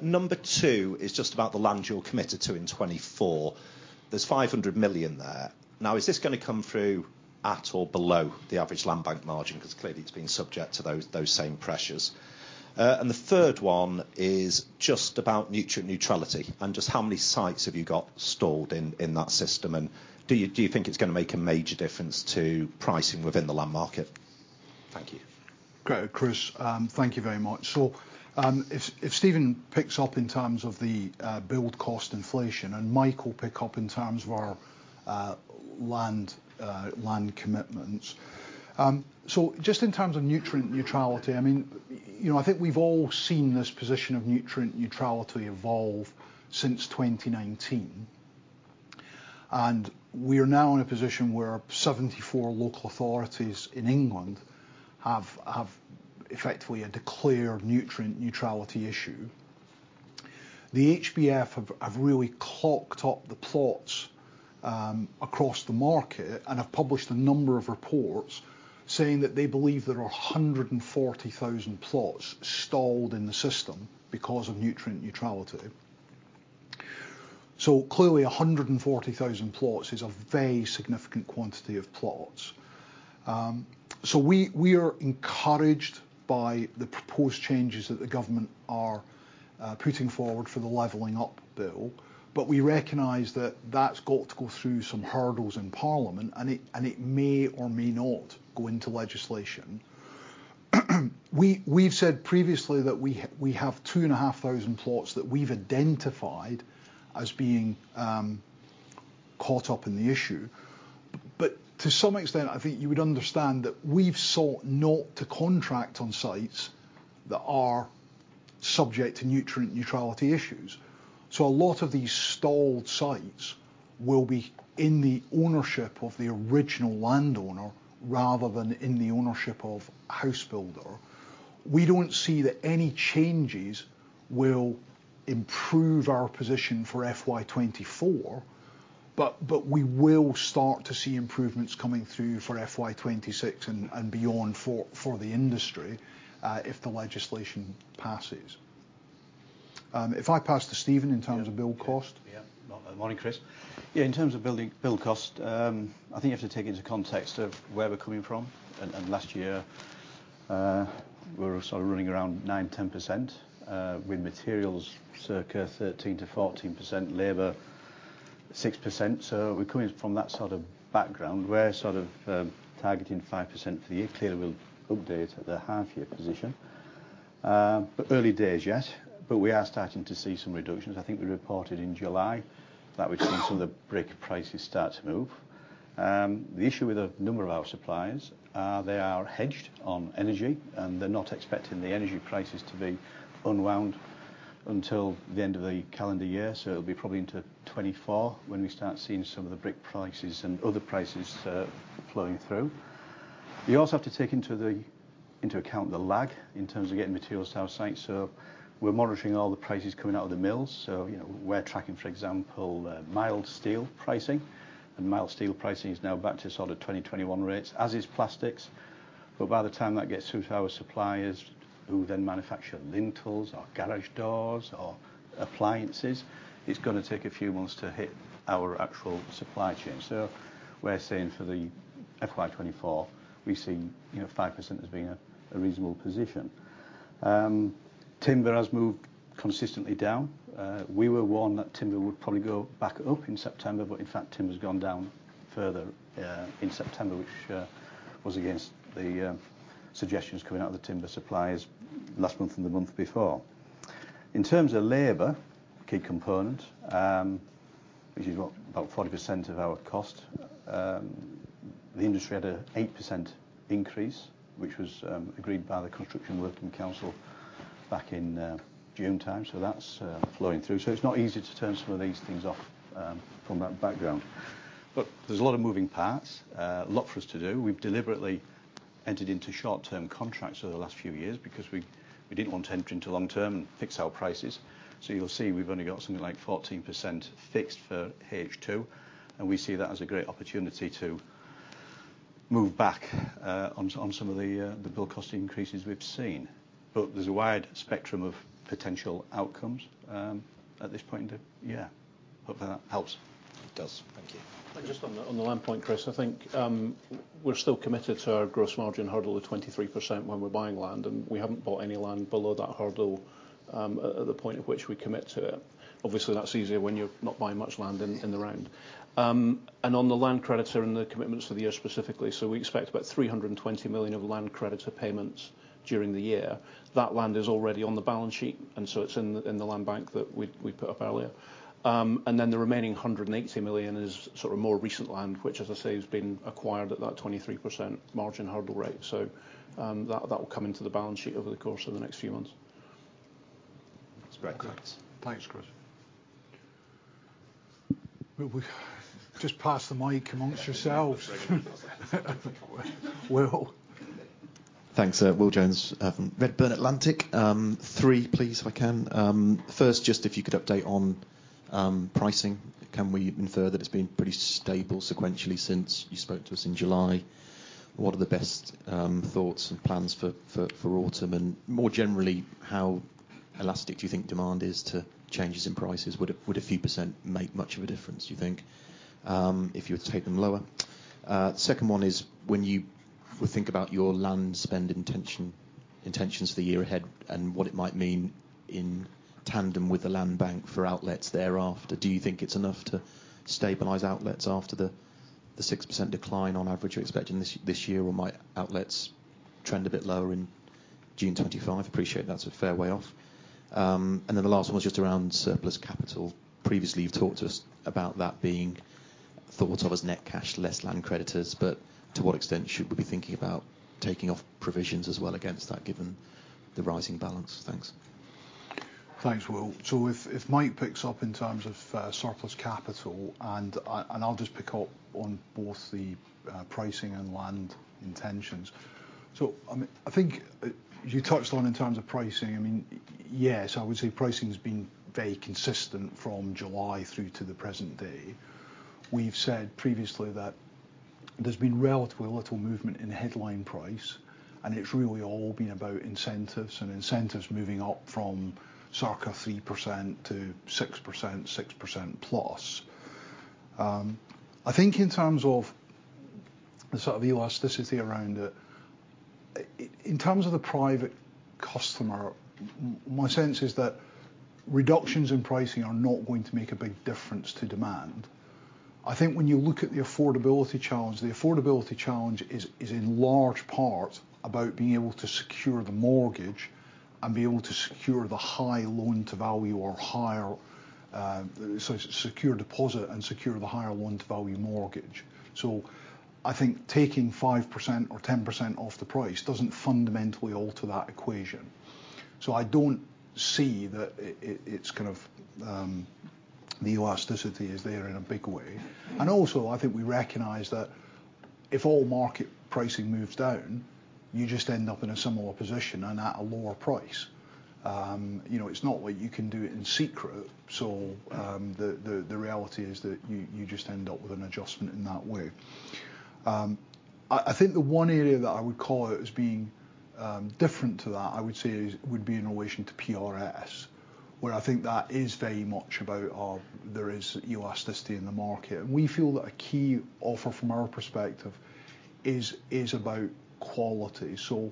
Speaker 4: Number two is just about the land you're committed to in 2024. There's 500 million there. Now, is this gonna come through at or below the average land bank margin? Because clearly it's been subject to those, those same pressures. The third one is just about nutrient neutrality, and just how many sites have you got stalled in that system, and do you think it's gonna make a major difference to pricing within the land market? Thank you.
Speaker 1: Great, Chris, thank you very much. So, if Steven picks up in terms of the build cost inflation, and Mike will pick up in terms of our land commitments. So just in terms of nutrient neutrality, I mean, you know, I think we've all seen this position of nutrient neutrality evolve since 2019, and we are now in a position where 74 local authorities in England have effectively declared a nutrient neutrality issue. The HBF have really clocked up the plots across the market and have published a number of reports saying that they believe there are 140,000 plots stalled in the system because of nutrient neutrality. So clearly, 140,000 plots is a very significant quantity of plots. So we are encouraged by the proposed changes that the government are putting forward for the Levelling Up Bill, but we recognize that that's got to go through some hurdles in Parliament, and it may or may not go into legislation. We've said previously that we have 2,500 plots that we've identified as being caught up in the issue. But to some extent, I think you would understand that we've sought not to contract on sites that are subject to nutrient neutrality issues. So a lot of these stalled sites will be in the ownership of the original landowner rather than in the ownership of house builder. We don't see that any changes will improve our position for FY 2024, but we will start to see improvements coming through for FY 2026 and beyond for the industry, if the legislation passes. If I pass to Steven in terms of build cost.
Speaker 2: Yeah. Yeah. Morning, Chris. Yeah, in terms of building, build cost, I think you have to take into context of where we're coming from, and last year, we were sort of running around 9%-10%, with materials circa 13%-14%, labor 6%. So we're coming from that sort of background. We're sort of targeting 5% for the year. Clearly, we'll update at the half-year position. But early days yet, but we are starting to see some reductions. I think we reported in July that we've seen some of the brick prices start to move. The issue with a number of our suppliers are they are hedged on energy, and they're not expecting the energy prices to be unwound until the end of the calendar year. So it'll be probably into 2024 when we start seeing some of the brick prices and other prices flowing through. You also have to take into the, into account the lag in terms of getting materials to our site. So we're monitoring all the prices coming out of the mills. So, you know, we're tracking, for example, mild steel pricing, and mild steel pricing is now back to sort of 2021 rates, as is plastics. But by the time that gets through to our suppliers, who then manufacture lintels or garage doors or appliances, it's gonna take a few months to hit our actual supply chain. So we're saying for the FY 2024, we've seen, you know, 5% as being a reasonable position. Timber has moved consistently down. We were warned that timber would probably go back up in September, but in fact, timber's gone down further in September, which was against the suggestions coming out of the timber suppliers last month and the month before. In terms of labor, key component, which is what, about 40% of our cost, the industry had an 8% increase, which was, agreed by the Construction Working Council back in, June time, so that's, flowing through. So it's not easy to turn some of these things off, from that background. But there's a lot of moving parts, a lot for us to do. We've deliberately entered into short-term contracts over the last few years because we, we didn't want to enter into long-term and fix our prices. So you'll see, we've only got something like 14% fixed for H2, and we see that as a great opportunity to move back, on, on some of the, the build cost increases we've seen. But there's a wide spectrum of potential outcomes at this point in the... Yeah, hope that helps.
Speaker 4: It does. Thank you.
Speaker 2: Just on the land point, Chris, I think we're still committed to our gross margin hurdle of 23% when we're buying land, and we haven't bought any land below that hurdle at the point at which we commit to it. Obviously, that's easier when you're not buying much land in the round. On the land creditors and the commitments for the year specifically, so we expect about 320 million of land creditor payments during the year. That land is already on the balance sheet, and so it's in the land bank that we put up earlier. Then the remaining 180 million is sort of more recent land, which, as I say, has been acquired at that 23% margin hurdle rate. That will come into the balance sheet over the course of the next few months.
Speaker 4: That's great.
Speaker 2: Thanks, Chris. Well, we just pass the mic among yourselves. We're all-
Speaker 5: Thanks, Will Jones, from Redburn Atlantic. Three, please, if I can. First, just if you could update on pricing. Can we infer that it's been pretty stable sequentially since you spoke to us in July? What are the best thoughts and plans for autumn? And more generally, how elastic do you think demand is to changes in prices? Would a few percent make much of a difference, do you think, if you were to take them lower? Second one is when you would think about your land spend intention, intentions for the year ahead and what it might mean in tandem with the land bank for outlets thereafter, do you think it's enough to stabilize outlets after the 6% decline on average you're expecting this year? Or might outlets trend a bit lower in June 2025? Appreciate that's a fair way off. And then the last one was just around surplus capital. Previously, you've talked to us about that being thought of as net cash, less land creditors, but to what extent should we be thinking about taking off provisions as well against that, given the rising balance? Thanks.
Speaker 1: Thanks, Will. So if Mike picks up in terms of surplus capital, and I'll just pick up on both the pricing and land intentions. So, I think you touched on in terms of pricing, I mean, yes, I would say pricing has been very consistent from July through to the present day. We've said previously that there's been relatively little movement in headline price, and it's really all been about incentives and incentives moving up from circa 3% to 6%, 6%+. I think in terms of the sort of elasticity around it, in terms of the private customer, my sense is that reductions in pricing are not going to make a big difference to demand. I think when you look at the affordability challenge, the affordability challenge is in large part about being able to secure the mortgage and be able to secure the high loan-to-value or higher, so secure deposit and secure the higher loan-to-value mortgage. So I think taking 5% or 10% off the price doesn't fundamentally alter that equation. So I don't see that it's kind of the elasticity is there in a big way. And also, I think we recognize that if all market pricing moves down, you just end up in a similar position and at a lower price. You know, it's not like you can do it in secret. So the reality is that you just end up with an adjustment in that way. I think the one area that I would call it as being different to that, I would say, is would be in relation to PRS, where I think that is very much about there is elasticity in the market. We feel that a key offer from our perspective is about quality. So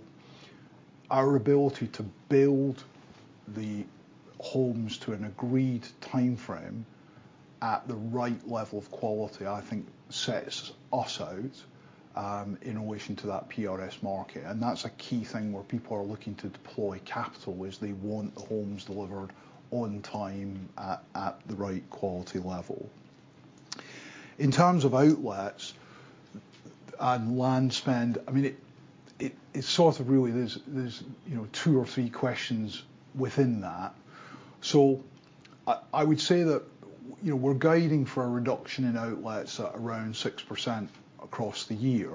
Speaker 1: our ability to build the homes to an agreed timeframe at the right level of quality, I think sets us out in relation to that PRS market. And that's a key thing, where people are looking to deploy capital, is they want the homes delivered on time, at the right quality level. In terms of outlets and land spend, I mean, it it's sort of really there's you know two or three questions within that. So I would say that, you know, we're guiding for a reduction in outlets at around 6% across the year.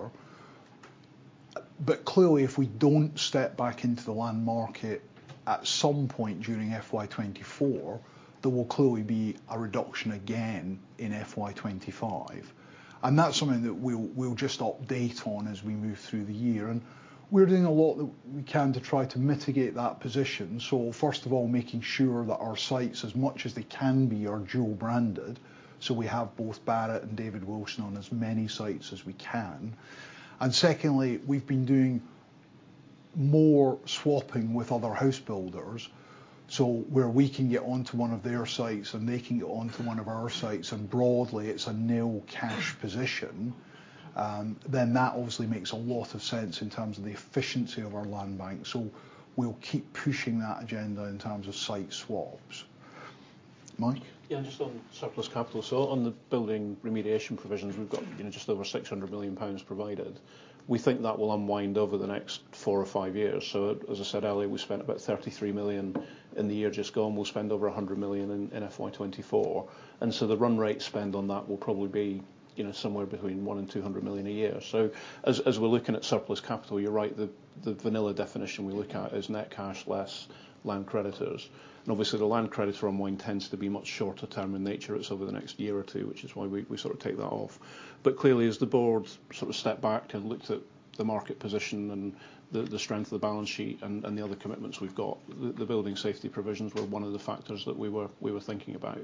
Speaker 1: But clearly, if we don't step back into the land market at some point during FY 2024, there will clearly be a reduction again in FY 2025. And that's something that we'll just update on as we move through the year, and we're doing a lot that we can to try to mitigate that position. So first of all, making sure that our sites, as much as they can be, are dual branded, so we have both Barratt and David Wilson on as many sites as we can. And secondly, we've been doing more swapping with other house builders... So where we can get onto one of their sites, and they can get onto one of our sites, and broadly, it's a nil cash position, then that obviously makes a lot of sense in terms of the efficiency of our land bank. So we'll keep pushing that agenda in terms of site swaps. Mike?
Speaker 3: Yeah, just on surplus capital. So on the building remediation provisions, we've got, you know, just over 600 million pounds provided. We think that will unwind over the next 4 or 5 years. So as I said earlier, we spent about 33 million in the year just gone. We'll spend over 100 million in FY 2024, and so the run rate spend on that will probably be, you know, somewhere between 100 million and 200 million a year. So as we're looking at surplus capital, you're right, the vanilla definition we look at is net cash less land creditors. And obviously, the land creditor unwind tends to be much shorter term in nature. It's over the next year or two, which is why we sort of take that off. But clearly, as the board sort of stepped back and looked at the market position and the strength of the balance sheet and the other commitments we've got, the building safety provisions were one of the factors that we were thinking about.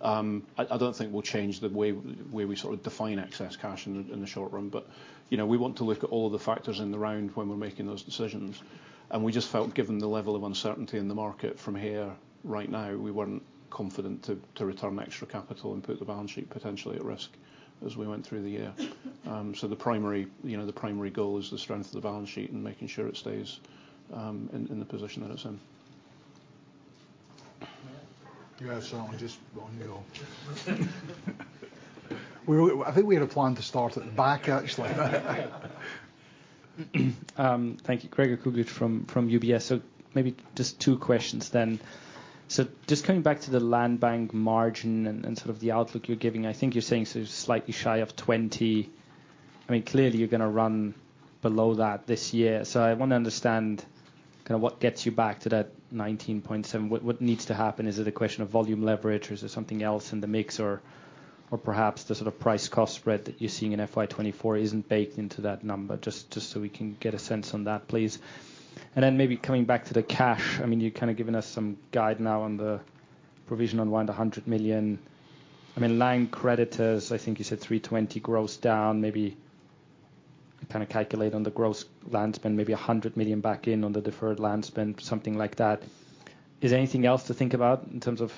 Speaker 3: I don't think we'll change the way we sort of define excess cash in the short run, but you know, we want to look at all of the factors in the round when we're making those decisions. And we just felt, given the level of uncertainty in the market from here, right now, we weren't confident to return extra capital and put the balance sheet potentially at risk as we went through the year. The primary, you know, the primary goal is the strength of the balance sheet and making sure it stays in the position that it's in.
Speaker 1: Yes, so just one go. I think we had a plan to start at the back, actually.
Speaker 6: Thank you. Gregor Kuglitsch from UBS. So maybe just two questions then. So just coming back to the land bank margin and sort of the outlook you're giving, I think you're saying so slightly shy of 20%. I mean, clearly, you're gonna run below that this year. So I want to understand kind of what gets you back to that 19.7%. What needs to happen? Is it a question of volume leverage, or is there something else in the mix, or perhaps the sort of price cost spread that you're seeing in FY 2024 isn't baked into that number? Just so we can get a sense on that, please. And then maybe coming back to the cash. I mean, you've kind of given us some guide now on the provision on around 100 million. I mean, land creditors, I think you said 320 gross down, maybe kind of calculate on the gross land spend, maybe 100 million back in on the deferred land spend, something like that. Is there anything else to think about in terms of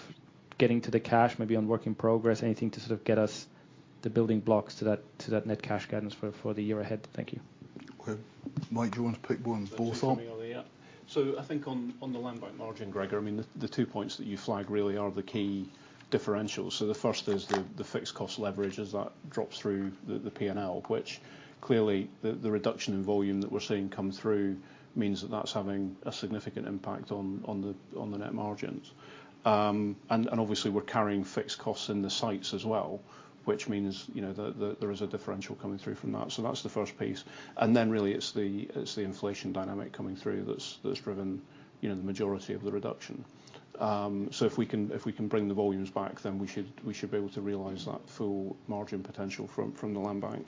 Speaker 6: getting to the cash, maybe on work in progress, anything to sort of get us, the building blocks to that, to that net cash guidance for, for the year ahead? Thank you.
Speaker 1: Okay. Mike, do you want to pick one of those up?
Speaker 3: Yeah. So I think on the land bank margin, Gregor, I mean, the two points that you flag really are the key differentials. So the first is the fixed cost leverage as that drops through the P&L, which clearly the reduction in volume that we're seeing come through means that that's having a significant impact on the net margins. And obviously, we're carrying fixed costs in the sites as well, which means, you know, there is a differential coming through from that. So that's the first piece. And then really, it's the inflation dynamic coming through that's driven, you know, the majority of the reduction. So if we can bring the volumes back, then we should be able to realize that full margin potential from the land bank.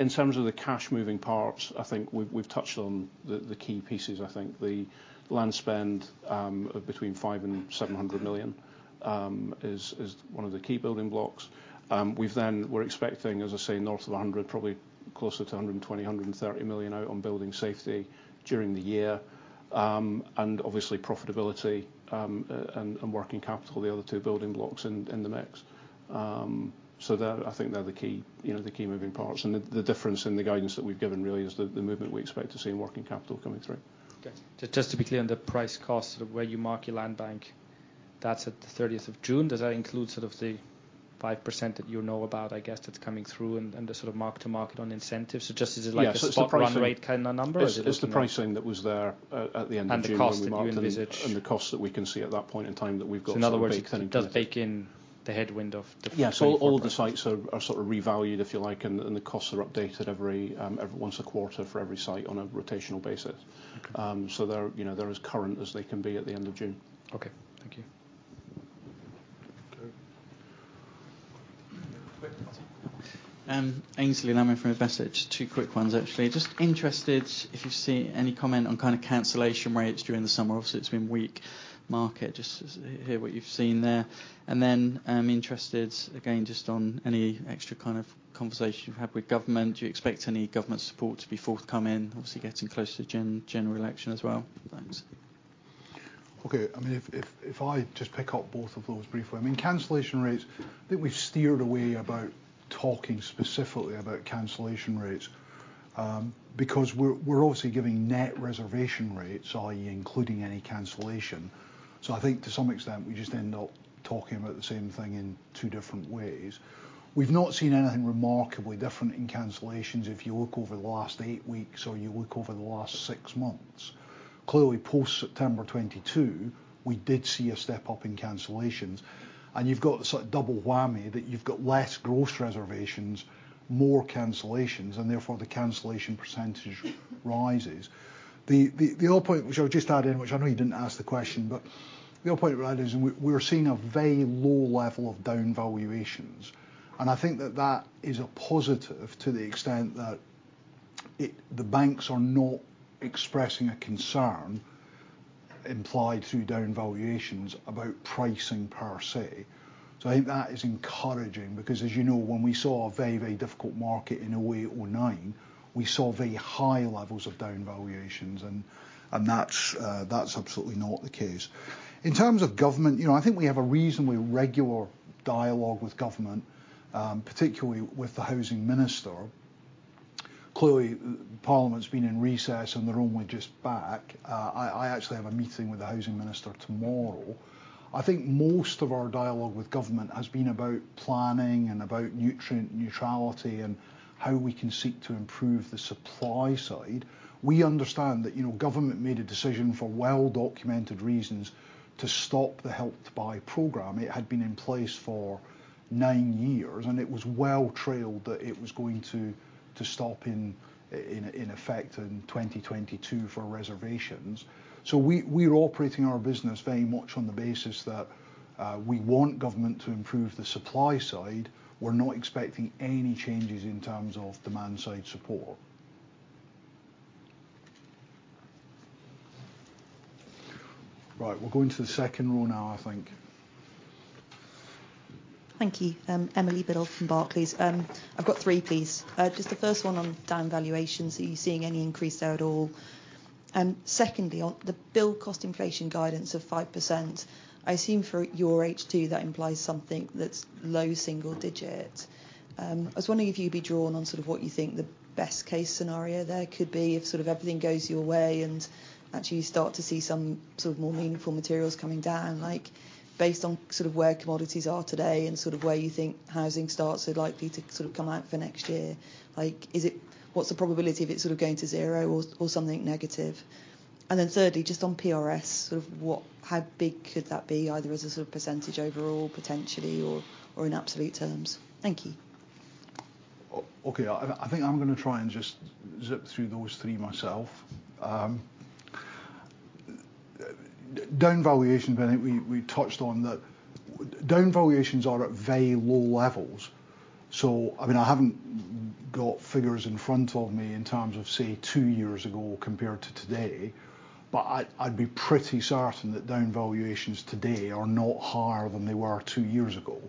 Speaker 3: In terms of the cash moving parts, I think we've, we've touched on the, the key pieces. I think the land spend between 500 million and 700 million is one of the key building blocks. We've then... We're expecting, as I say, north of 100 million, probably closer to 120 million-130 million out on building safety during the year. And obviously profitability and working capital, the other two building blocks in the mix. So they're- I think they're the key, you know, the key moving parts. And the difference in the guidance that we've given really is the movement we expect to see in working capital coming through.
Speaker 6: Okay. Just to be clear, on the price cost, sort of where you mark your land bank, that's at the thirtieth of June. Does that include sort of the 5% that you know about, I guess, that's coming through and the sort of mark to market on incentives? So just-
Speaker 3: Yeah
Speaker 6: Is it like a spot run rate kind of number?
Speaker 3: It's the pricing that was there at the end of June-
Speaker 6: The cost that you envisage-
Speaker 3: And the cost that we can see at that point in time, that we've got.
Speaker 6: So in other words, it does bake in the headwind of-
Speaker 3: Yes.
Speaker 6: So.
Speaker 3: All the sites are sort of revalued, if you like, and the costs are updated every once a quarter for every site on a rotational basis.
Speaker 6: Okay.
Speaker 3: So they're, you know, they're as current as they can be at the end of June.
Speaker 6: Okay. Thank you.
Speaker 1: Okay.
Speaker 7: Aynsley Lam from Investec. Two quick ones, actually. Just interested if you see any comment on kind of cancellation rates during the summer. Obviously, it's been weak market. Just hear what you've seen there. And then, I'm interested again, just on any extra kind of conversation you've had with government. Do you expect any government support to be forthcoming? Obviously getting closer to general election as well. Thanks.
Speaker 1: Okay. I mean, if I just pick up both of those briefly. I mean, cancellation rates, I think we've steered away about talking specifically about cancellation rates, because we're obviously giving net reservation rates, i.e., including any cancellation. So I think to some extent, we just end up talking about the same thing in two different ways. We've not seen anything remarkably different in cancellations if you look over the last 8 weeks or you look over the last 6 months. Clearly, post-September 2022, we did see a step-up in cancellations, and you've got the sort of double whammy, that you've got less gross reservations, more cancellations, and therefore, the cancellation percentage rises. The other point, which I'll just add in, which I know you didn't ask the question, but the other point around is we're seeing a very low level of down valuations, and I think that is a positive to the extent that the banks are not expressing a concern implied through down valuations about pricing per se. So I think that is encouraging, because, as you know, when we saw a very, very difficult market in 2008 or 2009, we saw very high levels of down valuations, and that's absolutely not the case. In terms of government, you know, I think we have a reasonably regular dialogue with government, particularly with the housing minister. Clearly, Parliament's been in recess, and they're only just back. I actually have a meeting with the housing minister tomorrow. I think most of our dialogue with government has been about planning and about nutrient neutrality and how we can seek to improve the supply side. We understand that, you know, government made a decision for well-documented reasons to stop the Help to Buy program. It had been in place for nine years, and it was well trailed that it was going to stop in, in effect, in 2022 for reservations. So we're operating our business very much on the basis that we want government to improve the supply side. We're not expecting any changes in terms of demand side support. Right, we'll go into the second row now, I think.
Speaker 8: Thank you. Emily Biddle from Barclays. I've got three, please. Just the first one on down valuations. Are you seeing any increase there at all? And secondly, on the build cost inflation guidance of 5%, I assume for your H2, that implies something that's low single digits. I was wondering if you'd be drawn on sort of what you think the best case scenario there could be if sort of everything goes your way, and actually you start to see some sort of more meaningful materials coming down, like based on sort of where commodities are today and sort of where you think housing starts are likely to sort of come out for next year? Like, is it-- what's the probability of it sort of going to zero or, or something negative? And then thirdly, just on PRS, sort of what - how big could that be, either as a sort of percentage overall, potentially, or, or in absolute terms? Thank you.
Speaker 1: Okay. I think I'm gonna try and just zip through those three myself. Down valuation, I think we touched on that. Down valuations are at very low levels, so... I mean, I haven't got figures in front of me in terms of, say, two years ago compared to today, but I'd be pretty certain that down valuations today are not higher than they were two years ago.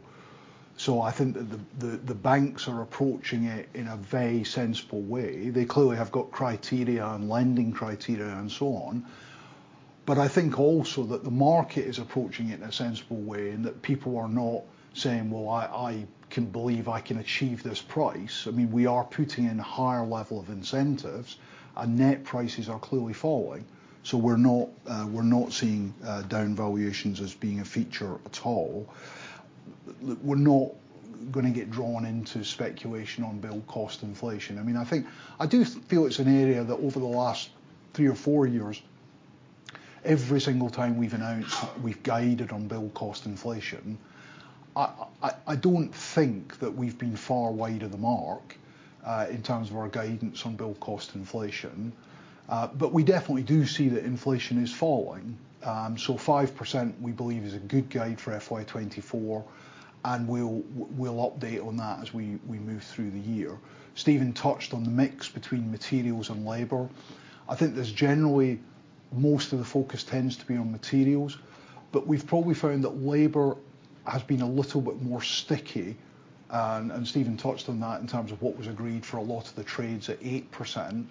Speaker 1: So I think that the banks are approaching it in a very sensible way. They clearly have got criteria and lending criteria and so on. But I think also that the market is approaching it in a sensible way, and that people are not saying, "Well, I can believe I can achieve this price." I mean, we are putting in a higher level of incentives, and net prices are clearly falling, so we're not, we're not seeing, down valuations as being a feature at all. We're not gonna get drawn into speculation on build cost inflation. I mean, I think, I do feel it's an area that over the last three or four years, every single time we've announced, we've guided on build cost inflation. I don't think that we've been far wide of the mark, in terms of our guidance on build cost inflation. But we definitely do see that inflation is falling. So 5%, we believe, is a good guide for FY 2024, and we'll update on that as we move through the year. Steven touched on the mix between materials and labor. I think there's generally, most of the focus tends to be on materials, but we've probably found that labor has been a little bit more sticky. And Steven touched on that in terms of what was agreed for a lot of the trades at 8%.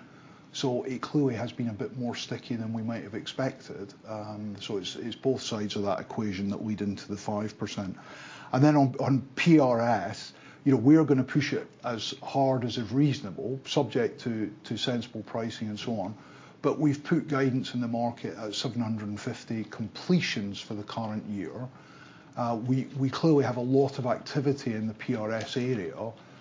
Speaker 1: So it clearly has been a bit more sticky than we might have expected. So it's both sides of that equation that lead into the 5%. And then on PRS, you know, we're gonna push it as hard as is reasonable, subject to sensible pricing and so on. But we've put guidance in the market at 750 completions for the current year. We clearly have a lot of activity in the PRS area,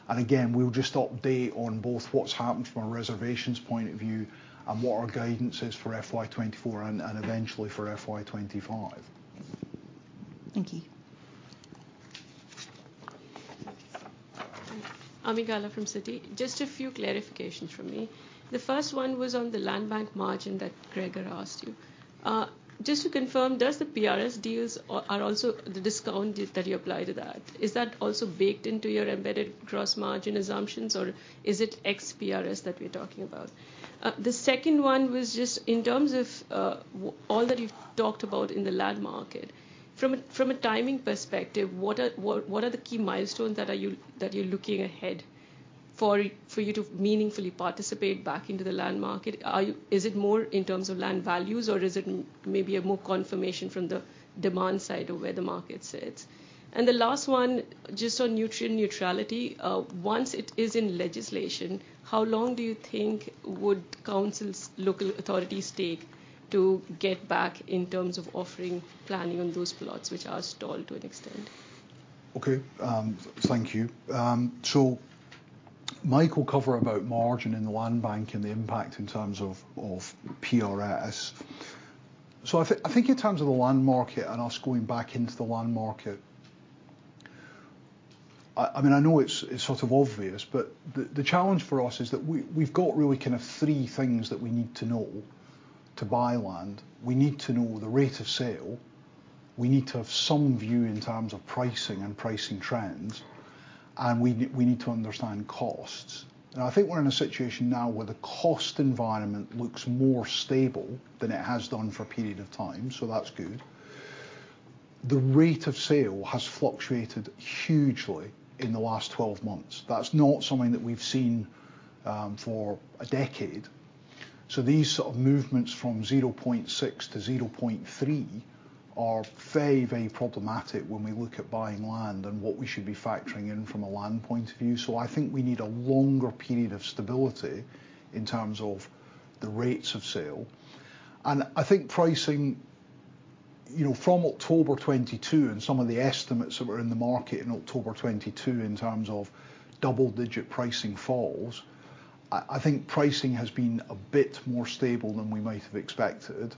Speaker 1: and again, we'll just update on both what's happened from a reservations point of view and what our guidance is for FY 2024 and eventually for FY 2025.
Speaker 8: Thank you.
Speaker 9: Amrita from Citi. Just a few clarifications from me. The first one was on the landbank margin that Gregor asked you. Just to confirm, does the PRS deals are also the discount that you apply to that? Is that also baked into your embedded gross margin assumptions, or is it ex-PRS that we're talking about? The second one was just in terms of all that you've talked about in the land market, from a timing perspective, what are the key milestones that you're looking ahead for you to meaningfully participate back into the land market? Is it more in terms of land values, or is it maybe a more confirmation from the demand side of where the market sits? The last one, just on nutrient neutrality, once it is in legislation, how long do you think would councils, local authorities take to get back in terms of offering planning on those plots, which are stalled to an extent?
Speaker 1: Okay, thank you. So Mike will cover about margin in the landbank and the impact in terms of PRS. So I think in terms of the land market and us going back into the land market, I mean, I know it's sort of obvious, but the challenge for us is that we've got really kind of three things that we need to know to buy land. We need to know the rate of sale. We need to have some view in terms of pricing and pricing trends, and we need to understand costs. I think we're in a situation now where the cost environment looks more stable than it has done for a period of time, so that's good. The rate of sale has fluctuated hugely in the last 12 months. That's not something that we've seen for a decade. So these sort of movements from 0.6 to 0.3 are very, very problematic when we look at buying land and what we should be factoring in from a land point of view. So I think we need a longer period of stability in terms of the rates of sale, and I think pricing, you know, from October 2022 and some of the estimates that were in the market in October 2022, in terms of double-digit pricing falls, I think pricing has been a bit more stable than we might have expected.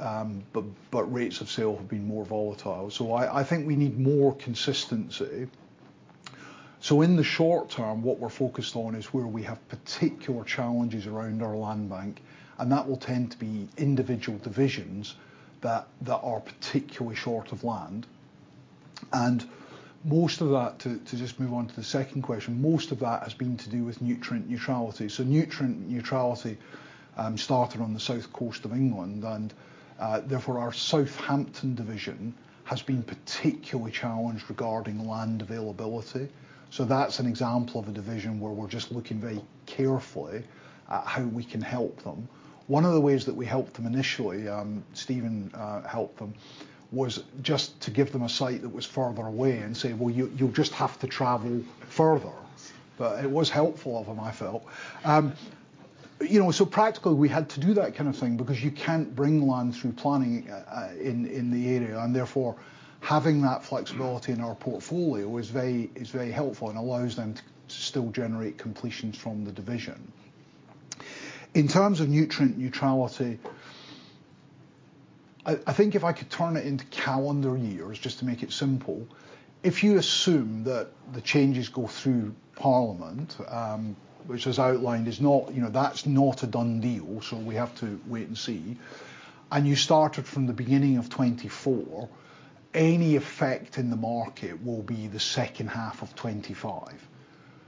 Speaker 1: But rates of sale have been more volatile, so I think we need more consistency. So in the short term, what we're focused on is where we have particular challenges around our land bank, and that will tend to be individual divisions that are particularly short of land. And most of that, to just move on to the second question, most of that has been to do with nutrient neutrality. So nutrient neutrality started on the south coast of England, and therefore, our Southampton division has been particularly challenged regarding land availability. So that's an example of a division where we're just looking very carefully at how we can help them. One of the ways that we helped them initially, Steven helped them, was just to give them a site that was further away and say, "Well, you, you'll just have to travel further." But it was helpful of him, I felt. You know, so practically, we had to do that kind of thing because you can't bring land through planning in the area, and therefore, having that flexibility in our portfolio is very helpful and allows them to still generate completions from the division. In terms of nutrient neutrality, I think if I could turn it into calendar years, just to make it simple, if you assume that the changes go through Parliament, which, as outlined, is not... You know, that's not a done deal, so we have to wait and see, and you started from the beginning of 2024, any effect in the market will be the second half of 2025.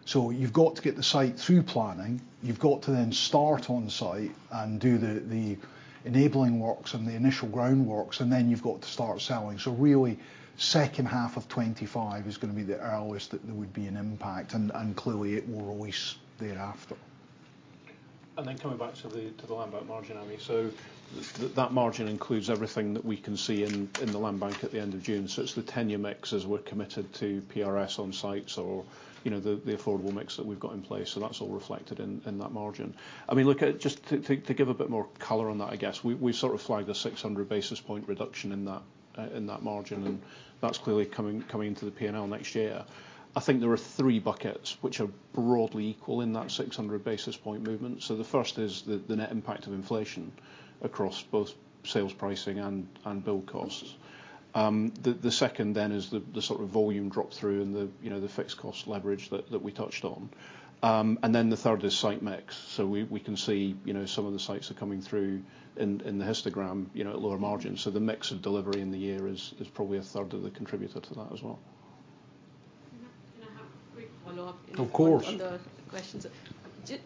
Speaker 1: So you've got to get the site through planning. You've got to then start on site and do the enabling works and the initial groundworks, and then you've got to start selling. So really, second half of 2025 is gonna be the earliest that there would be an impact, and clearly, it will release thereafter.
Speaker 3: And then coming back to the land bank margin, I mean, so that margin includes everything that we can see in the land bank at the end of June. So it's the tenure mix, as we're committed to PRS on sites or, you know, the affordable mix that we've got in place, so that's all reflected in that margin. I mean, look, just to give a bit more color on that, I guess, we sort of flagged a 600 basis point reduction in that margin, and that's clearly coming into the P&L next year. I think there are three buckets which are broadly equal in that 600 basis point movement. So the first is the net impact of inflation across both sales pricing and build costs. The second then is the sort of volume drop through and the, you know, the fixed cost leverage that we touched on. And then the third is site mix. So we can see, you know, some of the sites are coming through in the histogram, you know, at lower margins. So the mix of delivery in the year is probably a third of the contributor to that as well.
Speaker 9: Can I, can I have a quick follow-up-
Speaker 1: Of course.
Speaker 9: On the questions?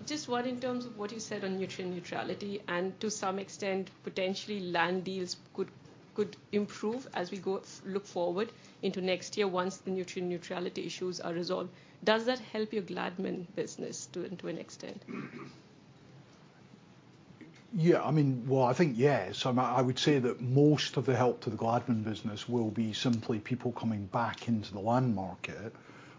Speaker 9: Just what, in terms of what you said on nutrient neutrality, and to some extent, potentially land deals could improve as we go, look forward into next year once the nutrient neutrality issues are resolved. Does that help your Gladman business to an extent?
Speaker 1: Yeah, I mean, well, I think yes. I mean, I would say that most of the help to the Gladman business will be simply people coming back into the land market.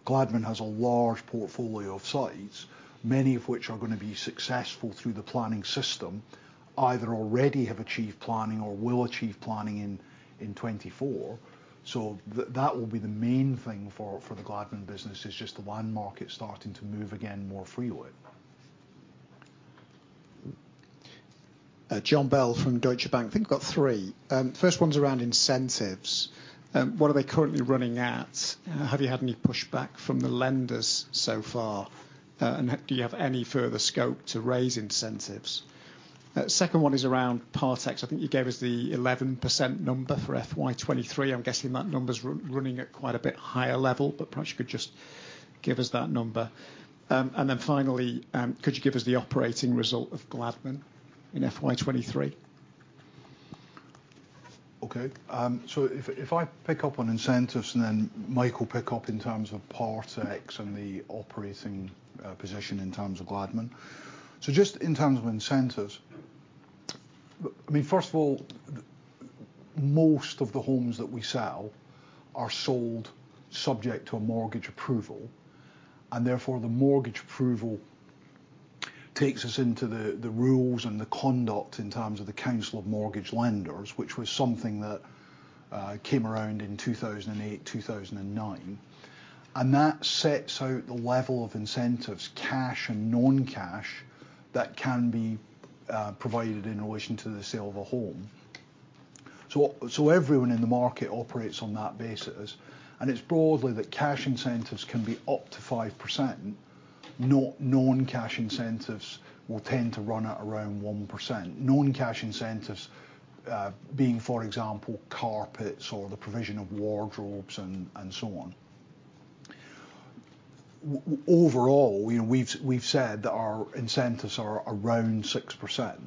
Speaker 1: Gladman has a large portfolio of sites, many of which are gonna be successful through the planning system, either already have achieved planning or will achieve planning in 2024. So that will be the main thing for the Gladman business, is just the land market starting to move again more freely.
Speaker 10: Jon Bell from Deutsche Bank. I think I've got three. First one's around incentives. What are they currently running at? And do you have any further scope to raise incentives? Second one is around part exchange. I think you gave us the 11% number for FY 2023. I'm guessing that number's running at quite a bit higher level, but perhaps you could just give us that number. And then finally, could you give us the operating result of Gladman in FY 2023?
Speaker 1: Okay. So if I pick up on incentives, and then Mike will pick up in terms of part exchange and the operating position in terms of Gladman. So just in terms of incentives, I mean, first of all, most of the homes that we sell are sold subject to a mortgage approval, and therefore, the mortgage approval takes us into the rules and the conduct in terms of the Council of Mortgage Lenders, which was something that came around in 2008, 2009. And that sets out the level of incentives, cash and non-cash, that can be provided in relation to the sale of a home. So everyone in the market operates on that basis, and it's broadly that cash incentives can be up to 5%... non-cash incentives will tend to run at around 1%. Non-cash incentives, being, for example, carpets or the provision of wardrobes and so on. Overall, you know, we've said that our incentives are around 6%.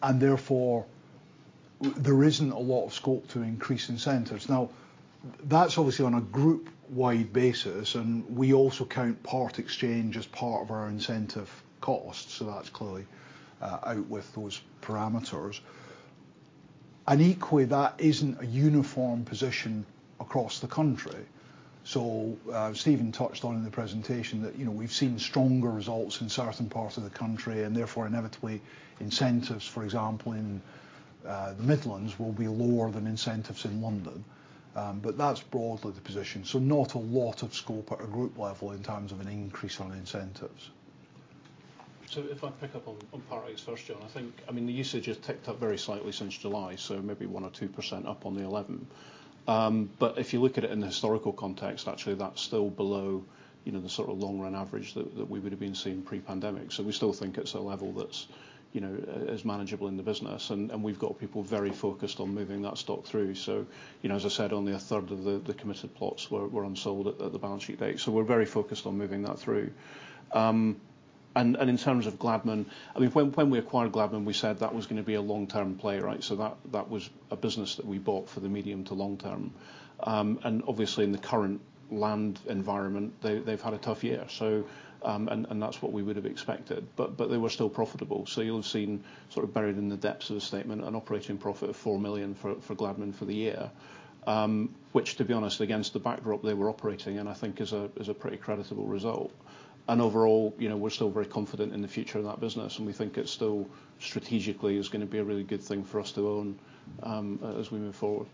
Speaker 1: And therefore, there isn't a lot of scope to increase incentives. Now, that's obviously on a group-wide basis, and we also count part exchange as part of our incentive cost, so that's clearly out with those parameters. And equally, that isn't a uniform position across the country. So, Steven touched on in the presentation that, you know, we've seen stronger results in certain parts of the country, and therefore, inevitably, incentives, for example, in the Midlands, will be lower than incentives in London. But that's broadly the position, so not a lot of scope at a group level in terms of an increase on incentives.
Speaker 3: So if I pick up on part exchange first, John, I think, I mean, the usage has ticked up very slightly since July, so maybe one or two% up on the 11%. But if you look at it in the historical context, actually, that's still below, you know, the sort of long-run average that we would have been seeing pre-pandemic. So we still think it's a level that's, you know, is manageable in the business, and we've got people very focused on moving that stock through. So, you know, as I said, only a third of the committed plots were unsold at the balance sheet date, so we're very focused on moving that through. And in terms of Gladman, I mean, when we acquired Gladman, we said that was gonna be a long-term play, right? So that was a business that we bought for the medium to long term. And obviously, in the current land environment, they've had a tough year, so. And that's what we would have expected. But they were still profitable. So you'll have seen, sort of buried in the depths of the statement, an operating profit of 4 million for Gladman for the year. Which, to be honest, against the backdrop they were operating in, I think is a pretty creditable result. And overall, you know, we're still very confident in the future of that business, and we think it's still strategically gonna be a really good thing for us to own, as we move forward.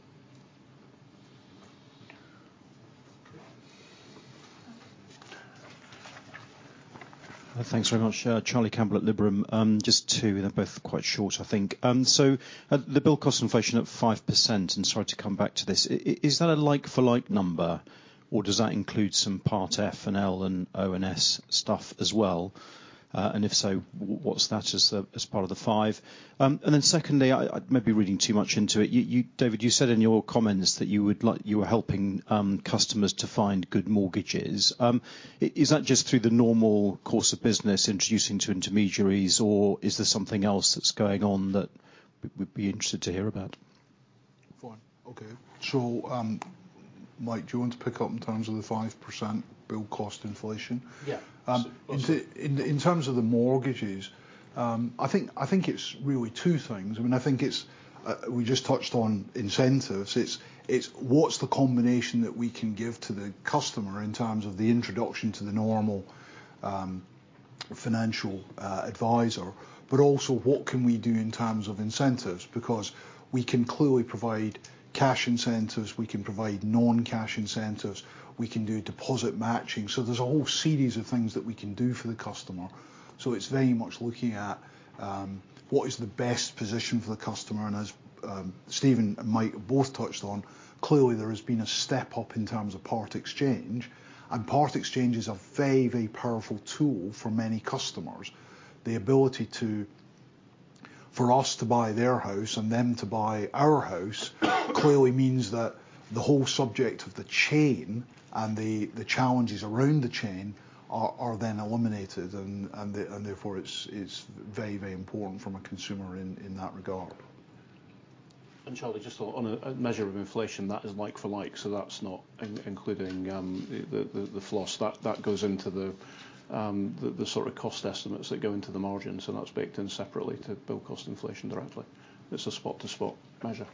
Speaker 11: Thanks very much, Charlie Campbell at Liberum. Just two, they're both quite short, I think. So, the bill cost inflation at 5%, and sorry to come back to this, is that a like-for-like number, or does that include some Part F and L and O and S stuff as well? And if so, what's that as the, as part of the five? And then secondly, I may be reading too much into it. You-- David, you said in your comments that you would like, you were helping, customers to find good mortgages. Is that just through the normal course of business, introducing to intermediaries, or is there something else that's going on that we'd be interested to hear about?
Speaker 1: Fine. Okay. So, Mike, do you want to pick up in terms of the 5% build cost inflation?
Speaker 5: Yeah.
Speaker 1: Is it-
Speaker 5: Okay.
Speaker 1: In terms of the mortgages, I think it's really two things. I mean, we just touched on incentives. It's what's the combination that we can give to the customer in terms of the introduction to the normal financial advisor, but also, what can we do in terms of incentives? Because we can clearly provide cash incentives, we can provide non-cash incentives, we can do deposit matching. So there's a whole series of things that we can do for the customer. So it's very much looking at what is the best position for the customer, and as Steven and Mike both touched on, clearly there has been a step up in terms of part exchange, and part exchange is a very, very powerful tool for many customers. The ability for us to buy their house and them to buy our house clearly means that the whole subject of the chain and the challenges around the chain are then eliminated, and therefore it's very, very important from a consumer in that regard.
Speaker 3: Charlie, just on a measure of inflation, that is like for like, so that's not including the loss. That goes into the sort of cost estimates that go into the margins, and that's baked in separately to build cost inflation directly. It's a spot-to-spot measure.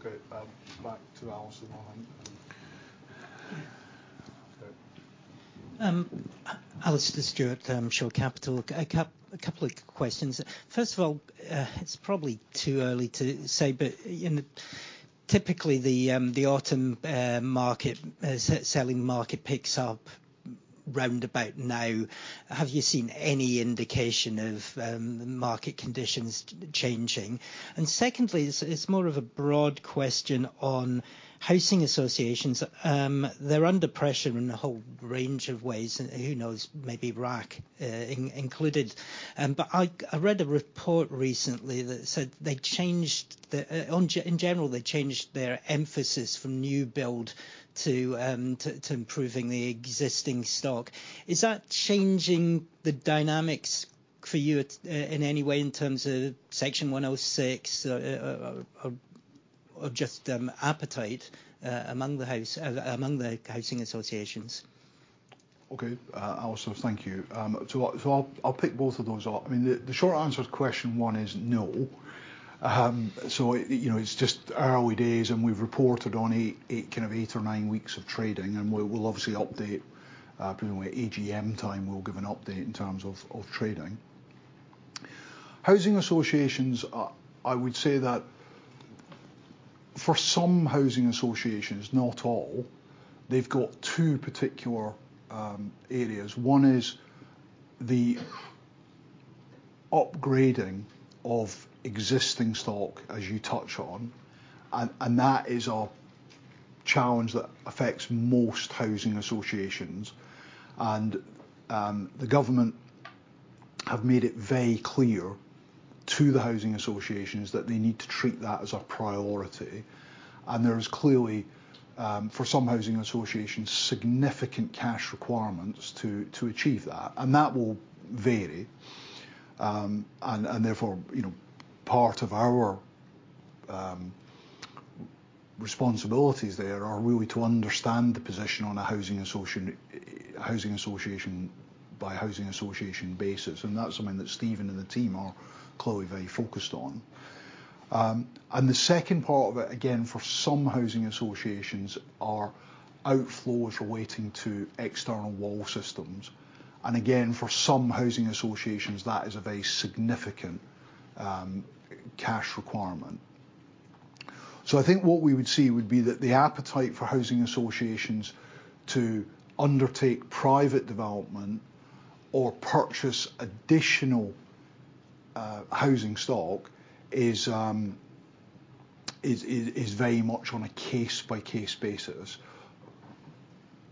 Speaker 1: Great. Okay, back to Alastair now.
Speaker 12: Alastair Stewart, Shore Capital. A couple of questions. First of all, it's probably too early to say, but, you know, typically the autumn selling market picks up round about now. Have you seen any indication of the market conditions changing? And secondly, it's more of a broad question on housing associations. They're under pressure in a whole range of ways, and who knows, maybe RAAC included. But I read a report recently that said they changed the, in general, they changed their emphasis from new build to improving the existing stock. Is that changing the dynamics for you at, in any way, in terms of Section 106, or just appetite among the housing associations?
Speaker 1: Okay. Alastair, thank you. So I'll, I'll pick both of those up. I mean, the short answer to question one is no. So, you know, it's just early days, and we've reported on eight, eight, kind of, eight or nine weeks of trading, and we will obviously update, probably by AGM time, we'll give an update in terms of trading. Housing associations are. I would say that for some housing associations, not all, they've got two particular areas. One is the upgrading of existing stock, as you touch on, and that is a challenge that affects most housing associations. And the government have made it very clear to the housing associations that they need to treat that as a priority, and there is clearly, for some housing associations, significant cash requirements to achieve that. And that will vary. Therefore, you know, part of our responsibilities there are really to understand the position on a housing association by housing association basis, and that's something that Steven and the team are clearly very focused on. The second part of it, again, for some housing associations, are outflows relating to external wall systems. And again, for some housing associations, that is a very significant cash requirement. So I think what we would see would be that the appetite for housing associations to undertake private development or purchase additional housing stock is very much on a case-by-case basis.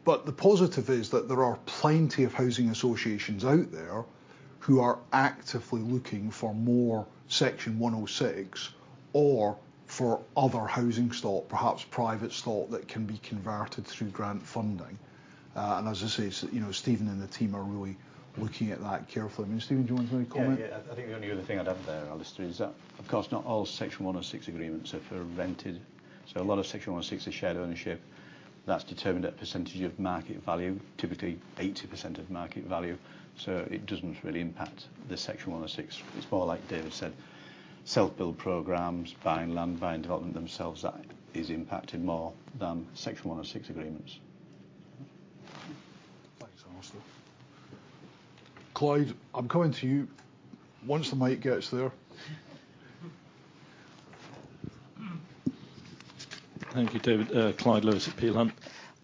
Speaker 1: But the positive is that there are plenty of housing associations out there who are actively looking for more Section 106 or for other housing stock, perhaps private stock, that can be converted through grant funding. As I say, you know, Steven and the team are really looking at that carefully. I mean, Steven, do you want to comment?
Speaker 2: Yeah, yeah. I think the only other thing I'd add there, Alastair, is that, of course, not all Section 106 agreements are for rented, so a lot of Section 106 is shared ownership. That's determined at percentage of market value, typically 80% of market value, so it doesn't really impact the Section 106. It's more like David said, self-build programs, buying land, buying development themselves, that is impacted more than Section 106 agreements.
Speaker 1: Thanks, Alastair. Clyde, I'm coming to you once the mic gets there.
Speaker 13: Thank you, David. Clyde Lewis at Peel Hunt.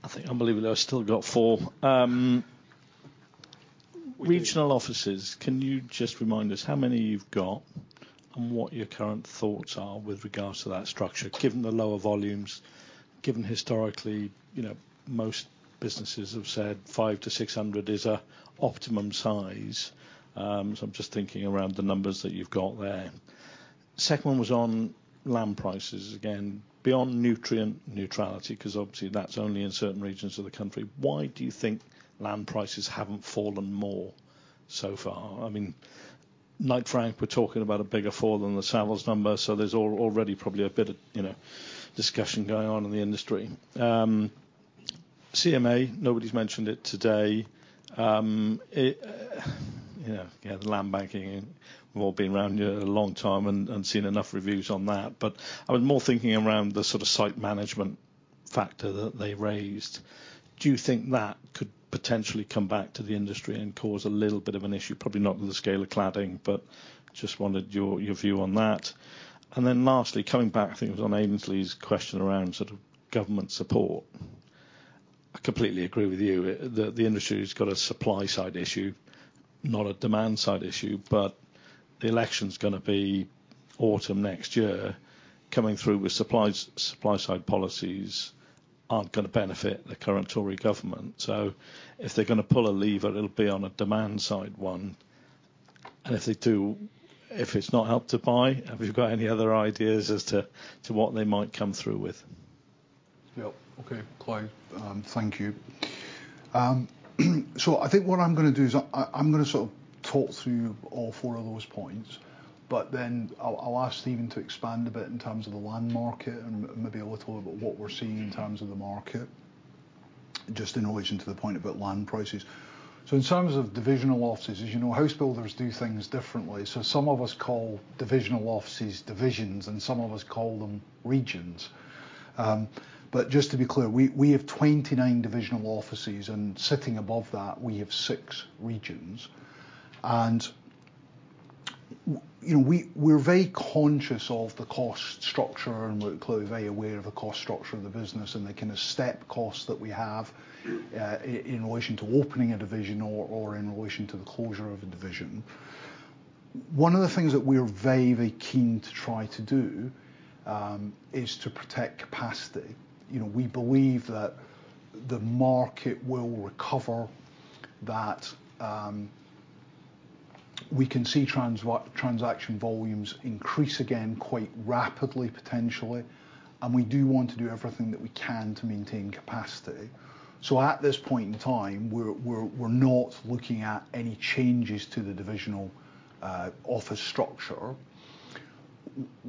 Speaker 13: I think unbelievably, I've still got four.
Speaker 1: You do.
Speaker 13: Regional offices, can you just remind us how many you've got and what your current thoughts are with regards to that structure, given the lower volumes, given historically, you know, most businesses have said 500-600 is an optimum size? So I'm just thinking around the numbers that you've got there. Second one was on land prices. Again, beyond nutrient neutrality, 'cause obviously that's only in certain regions of the country, why do you think land prices haven't fallen more so far? I mean, Knight Frank, we're talking about a bigger fall than the Savills number, so there's already probably a bit of, you know, discussion going on in the industry. CMA, nobody's mentioned it today. Yeah, yeah, the land banking, and we've all been around here a long time and seen enough reviews on that. But I was more thinking around the sort of site management factor that they raised. Do you think that could potentially come back to the industry and cause a little bit of an issue? Probably not on the scale of cladding, but just wanted your, your view on that. And then lastly, coming back, I think it was on Aynsley's question around sort of government support. I completely agree with you, the, the industry's got a supply side issue, not a demand side issue, but the election's gonna be autumn next year. Coming through with supplies, supply side policies aren't gonna benefit the current Tory government. So if they're gonna pull a lever, it'll be on a demand side one. And if they do, if it's not Help to Buy, have you got any other ideas as to, to what they might come through with?
Speaker 1: Yep. Okay, Clyde, thank you. So I think what I'm gonna do is I'm gonna sort of talk through all four of those points, but then I'll ask Steven to expand a bit in terms of the land market and maybe a little about what we're seeing in terms of the market, just in relation to the point about land prices. So in terms of divisional offices, as you know, house builders do things differently. So some of us call divisional offices, divisions, and some of us call them regions. But just to be clear, we have 29 divisional offices, and sitting above that, we have six regions. You know, we're very conscious of the cost structure, and we're clearly very aware of the cost structure of the business and the kind of step costs that we have in relation to opening a division or in relation to the closure of a division. One of the things that we're very, very keen to try to do is to protect capacity. You know, we believe that the market will recover, that we can see transaction volumes increase again, quite rapidly, potentially, and we do want to do everything that we can to maintain capacity. So at this point in time, we're not looking at any changes to the divisional office structure.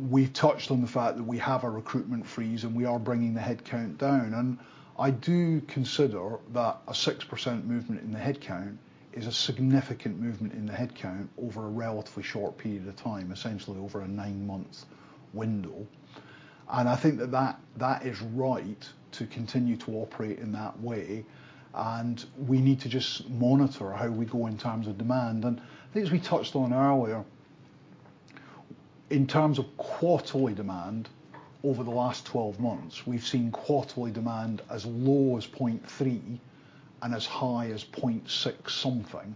Speaker 1: We've touched on the fact that we have a recruitment freeze, and we are bringing the headcount down, and I do consider that a 6% movement in the headcount is a significant movement in the headcount over a relatively short period of time, essentially over a nine-month window. And I think that is right to continue to operate in that way, and we need to just monitor how we go in terms of demand. And I think as we touched on earlier... In terms of quarterly demand over the last 12 months, we've seen quarterly demand as low as 0.3 and as high as 0.6 something,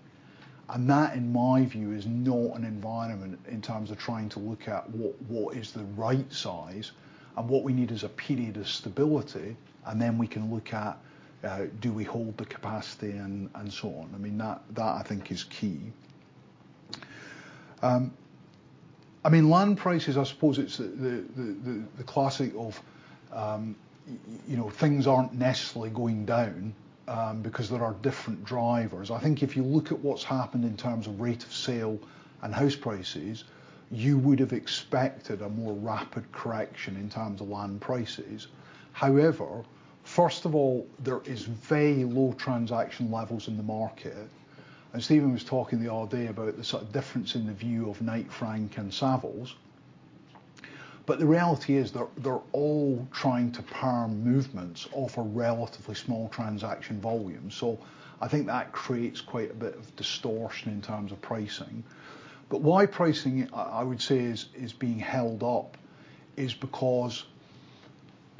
Speaker 1: and that, in my view, is not an environment in terms of trying to look at what is the right size. What we need is a period of stability, and then we can look at do we hold the capacity and so on. I mean, that I think is key. I mean, land prices, I suppose it's the classic of you know, things aren't necessarily going down because there are different drivers. I think if you look at what's happened in terms of rate of sale and house prices, you would have expected a more rapid correction in terms of land prices. However, first of all, there is very low transaction levels in the market, and Steven was talking the other day about the sort of difference in the view of Knight Frank and Savills. The reality is they're all trying to par movements off a relatively small transaction volume. So I think that creates quite a bit of distortion in terms of pricing. But why pricing, I would say, is being held up is because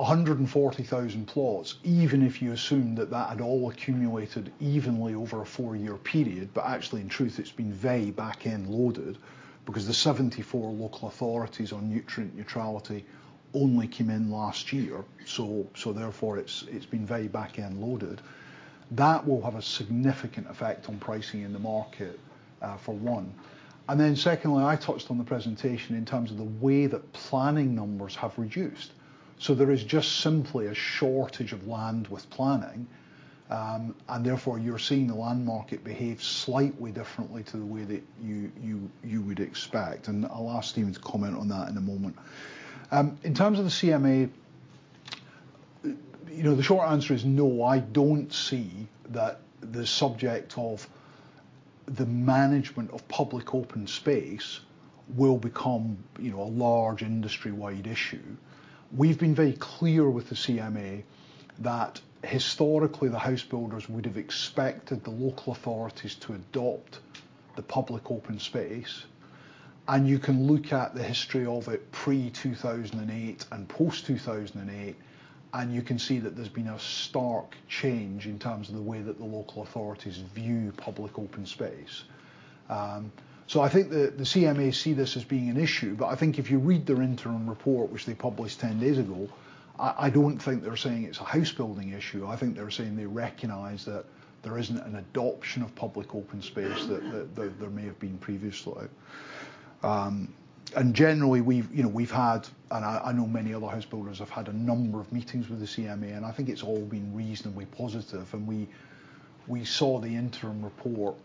Speaker 1: 140,000 plots, even if you assume that that had all accumulated evenly over a four-year period, but actually, in truth, it's been very back-end loaded because the 74 local authorities on nutrient neutrality only came in last year. So therefore, it's been very back-end loaded. That will have a significant effect on pricing in the market, for one. And then secondly, I touched on the presentation in terms of the way that planning numbers have reduced. So there is just simply a shortage of land with planning, and therefore you're seeing the land market behave slightly differently to the way that you would expect. I'll ask Steven to comment on that in a moment. In terms of the CMA, you know, the short answer is no, I don't see that the subject of the management of public open space will become, you know, a large industry-wide issue. We've been very clear with the CMA that historically, the house builders would have expected the local authorities to adopt the public open space, and you can look at the history of it pre-2008 and post-2008, and you can see that there's been a stark change in terms of the way that the local authorities view public open space. So I think the CMA see this as being an issue, but I think if you read their interim report, which they published ten days ago, I don't think they're saying it's a housebuilding issue. I think they're saying they recognize that there isn't an adoption of public open space that, that, there may have been previously. And generally, we've, you know, we've had, and I, I know many other house builders have had a number of meetings with the CMA, and I think it's all been reasonably positive, and we, we saw the interim report,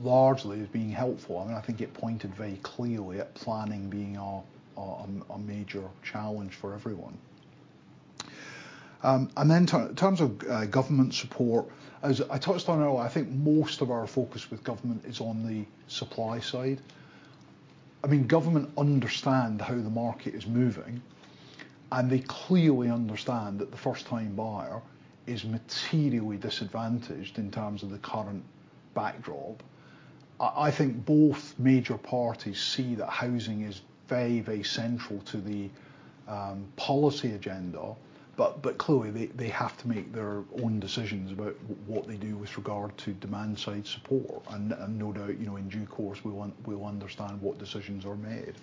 Speaker 1: largely as being helpful, and I think it pointed very clearly at planning being a, a, a major challenge for everyone. And then in terms of government support, as I touched on earlier, I think most of our focus with government is on the supply side. I mean, government understand how the market is moving, and they clearly understand that the first-time buyer is materially disadvantaged in terms of the current backdrop. I think both major parties see that housing is very, very central to the policy agenda, but clearly, they have to make their own decisions about what they do with regard to demand-side support. No doubt, you know, in due course, we'll understand what decisions are made.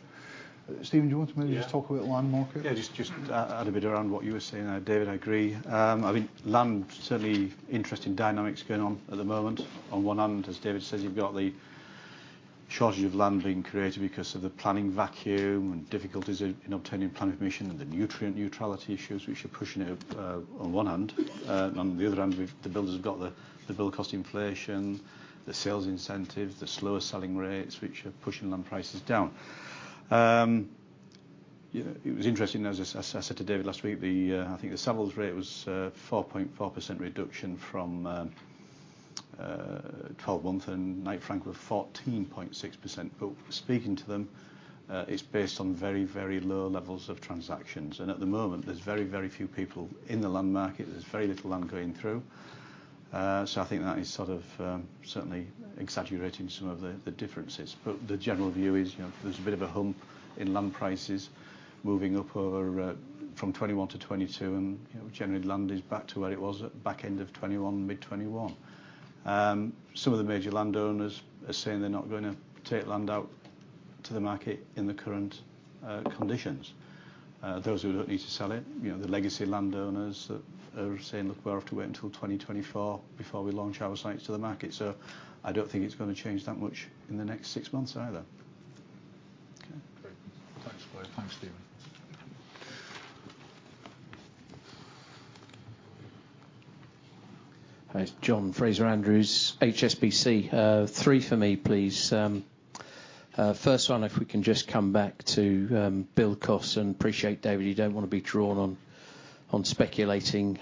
Speaker 1: Steven, do you want to maybe just talk about land market?
Speaker 2: Yeah, just add a bit around what you were saying, David, I agree. I think land, certainly interesting dynamics going on at the moment. On one hand, as David says, you've got the shortage of land being created because of the planning vacuum and difficulties in obtaining planning permission and the nutrient neutrality issues, which are pushing it, on one hand. On the other hand, the builders have got the build cost inflation, the sales incentives, the slower selling rates, which are pushing land prices down. Yeah, it was interesting, as I said to David last week, I think the Savills rate was 4.4% reduction from 12 months, and Knight Frank were 14.6%. But speaking to them, it's based on very, very low levels of transactions, and at the moment, there's very, very few people in the land market. There's very little land going through. So I think that is sort of certainly exaggerating some of the differences. But the general view is, you know, there's a bit of a hump in land prices moving up over from 2021 to 2022, and, you know, generally land is back to where it was at back end of 2021, mid 2021. Some of the major landowners are saying they're not gonna take land out to the market in the current conditions. Those who don't need to sell it, you know, the legacy landowners are saying, "Look, we'll have to wait until 2024 before we launch our sites to the market." So I don't think it's gonna change that much in the next six months either.
Speaker 1: Okay. Great. Thanks, great. Thanks, Steven.
Speaker 14: Hi, it's John Fraser-Andrews, HSBC. 3 for me, please. First one, if we can just come back to build costs, and appreciate, David, you don't want to be drawn on speculating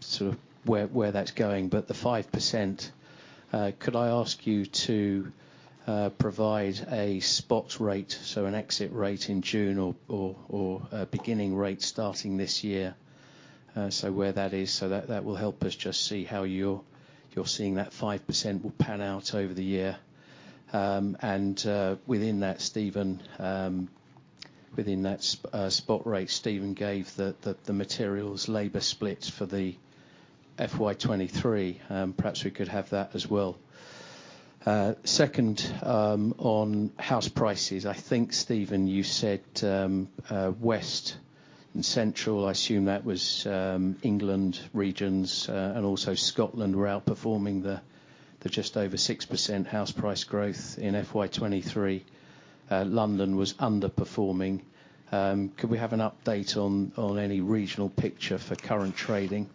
Speaker 14: sort of where that's going, but the 5%, could I ask you to provide a spot rate, so an exit rate in June or a beginning rate starting this year? So where that is, so that will help us just see how you're seeing that 5% will pan out over the year. And within that, Steven, within that spot rate, Steven gave the materials labor split for the FY 2023, perhaps we could have that as well. Second, on house prices, I think, Steven, you said, West and Central, I assume that was England regions, and also Scotland were outperforming the, the just over 6% house price growth in FY 2023. London was underperforming. Could we have an update on any regional picture for current trading?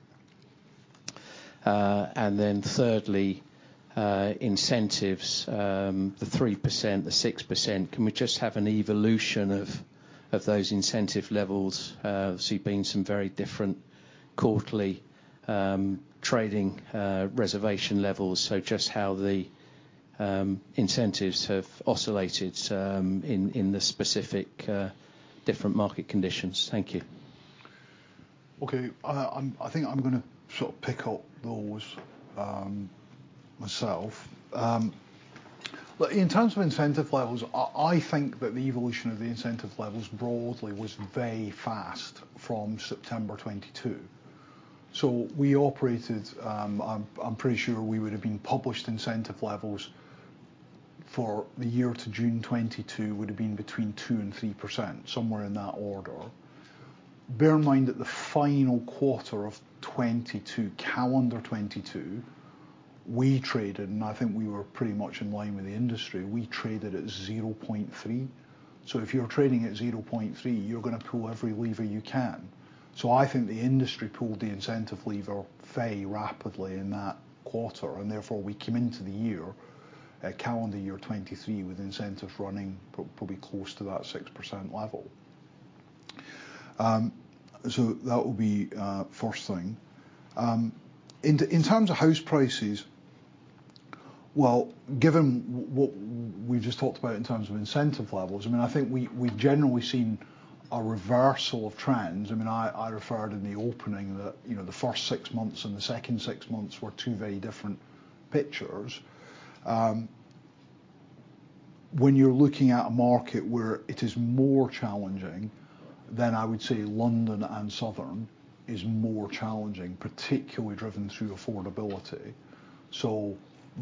Speaker 14: And then thirdly, incentives, the 3%, the 6%, can we just have an evolution of those incentive levels? Obviously being some very different quarterly trading reservation levels, so just how the incentives have oscillated in the specific different market conditions. Thank you.
Speaker 1: Okay, I think I'm gonna sort of pick up those myself. Look, in terms of incentive levels, I, I think that the evolution of the incentive levels broadly was very fast from September 2022. So we operated... I'm, I'm pretty sure we would have been published incentive levels for the year to June 2022, would have been between 2%-3%, somewhere in that order. Bear in mind that the final quarter of 2022, calendar 2022, we traded, and I think we were pretty much in line with the industry, we traded at 0.3%. So if you're trading at 0.3%, you're gonna pull every lever you can. So I think the industry pulled the incentive lever very rapidly in that quarter, and therefore, we came into the year, at calendar year 2023, with incentives running probably close to that 6% level. So that would be first thing. In terms of house prices, well, given what we've just talked about in terms of incentive levels, I mean, I referred in the opening that, you know, the first 6 months and the second 6 months were two very different pictures. When you're looking at a market where it is more challenging, then I would say London and Southern is more challenging, particularly driven through affordability. So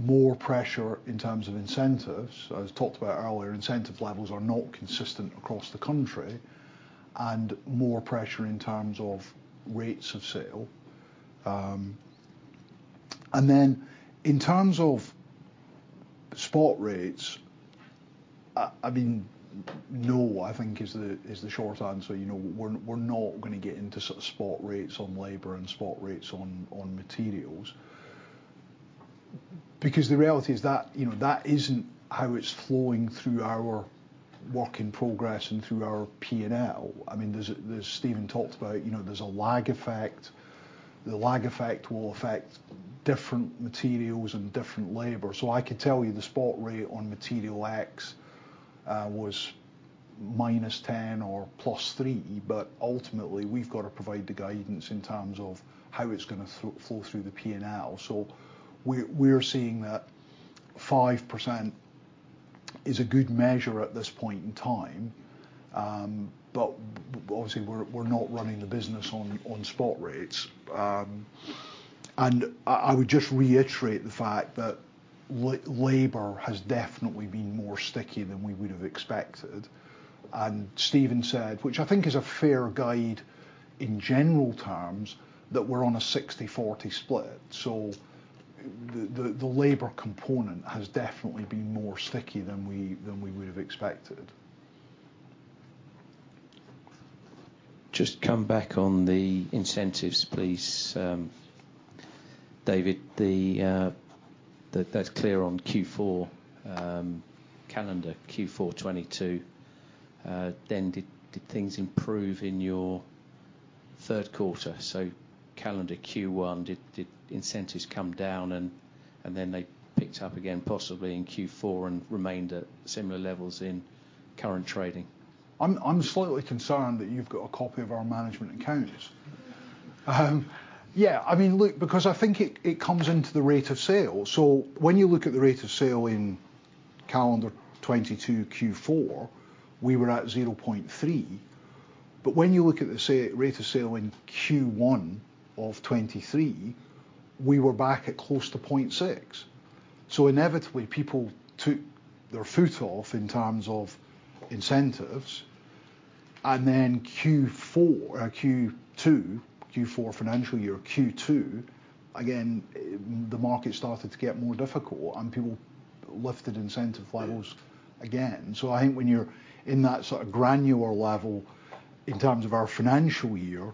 Speaker 1: more pressure in terms of incentives. I've talked about earlier, incentive levels are not consistent across the country, and more pressure in terms of rates of sale. And then, in terms of spot rates, I mean, no, I think is the, is the short answer. You know, we're not gonna get into sort of spot rates on labor and spot rates on materials. Because the reality is that, you know, that isn't how it's flowing through our work in progress and through our P&L. I mean, there's Steven talked about, you know, there's a lag effect. The lag effect will affect different materials and different labor. So I could tell you the spot rate on material X was -10 or +3, but ultimately, we've got to provide the guidance in terms of how it's gonna flow through the P&L. So we're seeing that 5% is a good measure at this point in time, but obviously, we're not running the business on spot rates. And I would just reiterate the fact that labor has definitely been more sticky than we would have expected. And Steven said, which I think is a fair guide in general terms, that we're on a 60/40 split, so the labor component has definitely been more sticky than we would have expected.
Speaker 14: Just come back on the incentives, please, David, that's clear on Q4, calendar Q4 2022. Then, did things improve in your third quarter, so calendar Q1, did incentives come down and then they picked up again, possibly in Q4 and remained at similar levels in current trading?
Speaker 1: I'm slightly concerned that you've got a copy of our management accounts. Yeah, I mean, look, because I think it comes into the rate of sale. So when you look at the rate of sale in calendar 2022, Q4, we were at 0.3. But when you look at the rate of sale in Q1 of 2023, we were back at close to 0.6. So inevitably, people took their foot off in terms of incentives, and then Q4, Q2, Q4, financial year Q2, again, the market started to get more difficult, and people lifted incentive levels again. So I think when you're in that sort of granular level, in terms of our financial year,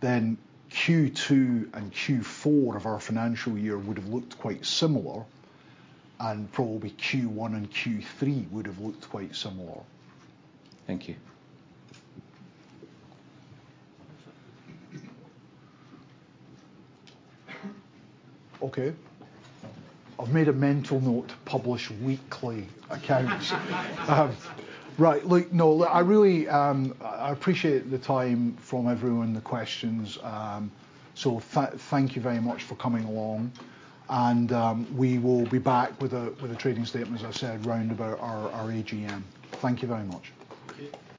Speaker 1: then Q2 and Q4 of our financial year would have looked quite similar, and probably Q1 and Q3 would have looked quite similar.
Speaker 14: Thank you.
Speaker 1: Okay. I've made a mental note to publish weekly accounts. Right. Look, no, look, I really, I, I appreciate the time from everyone, the questions. So thank you very much for coming along. We will be back with a trading statement, as I said, round about our AGM. Thank you very much.
Speaker 2: Thank you.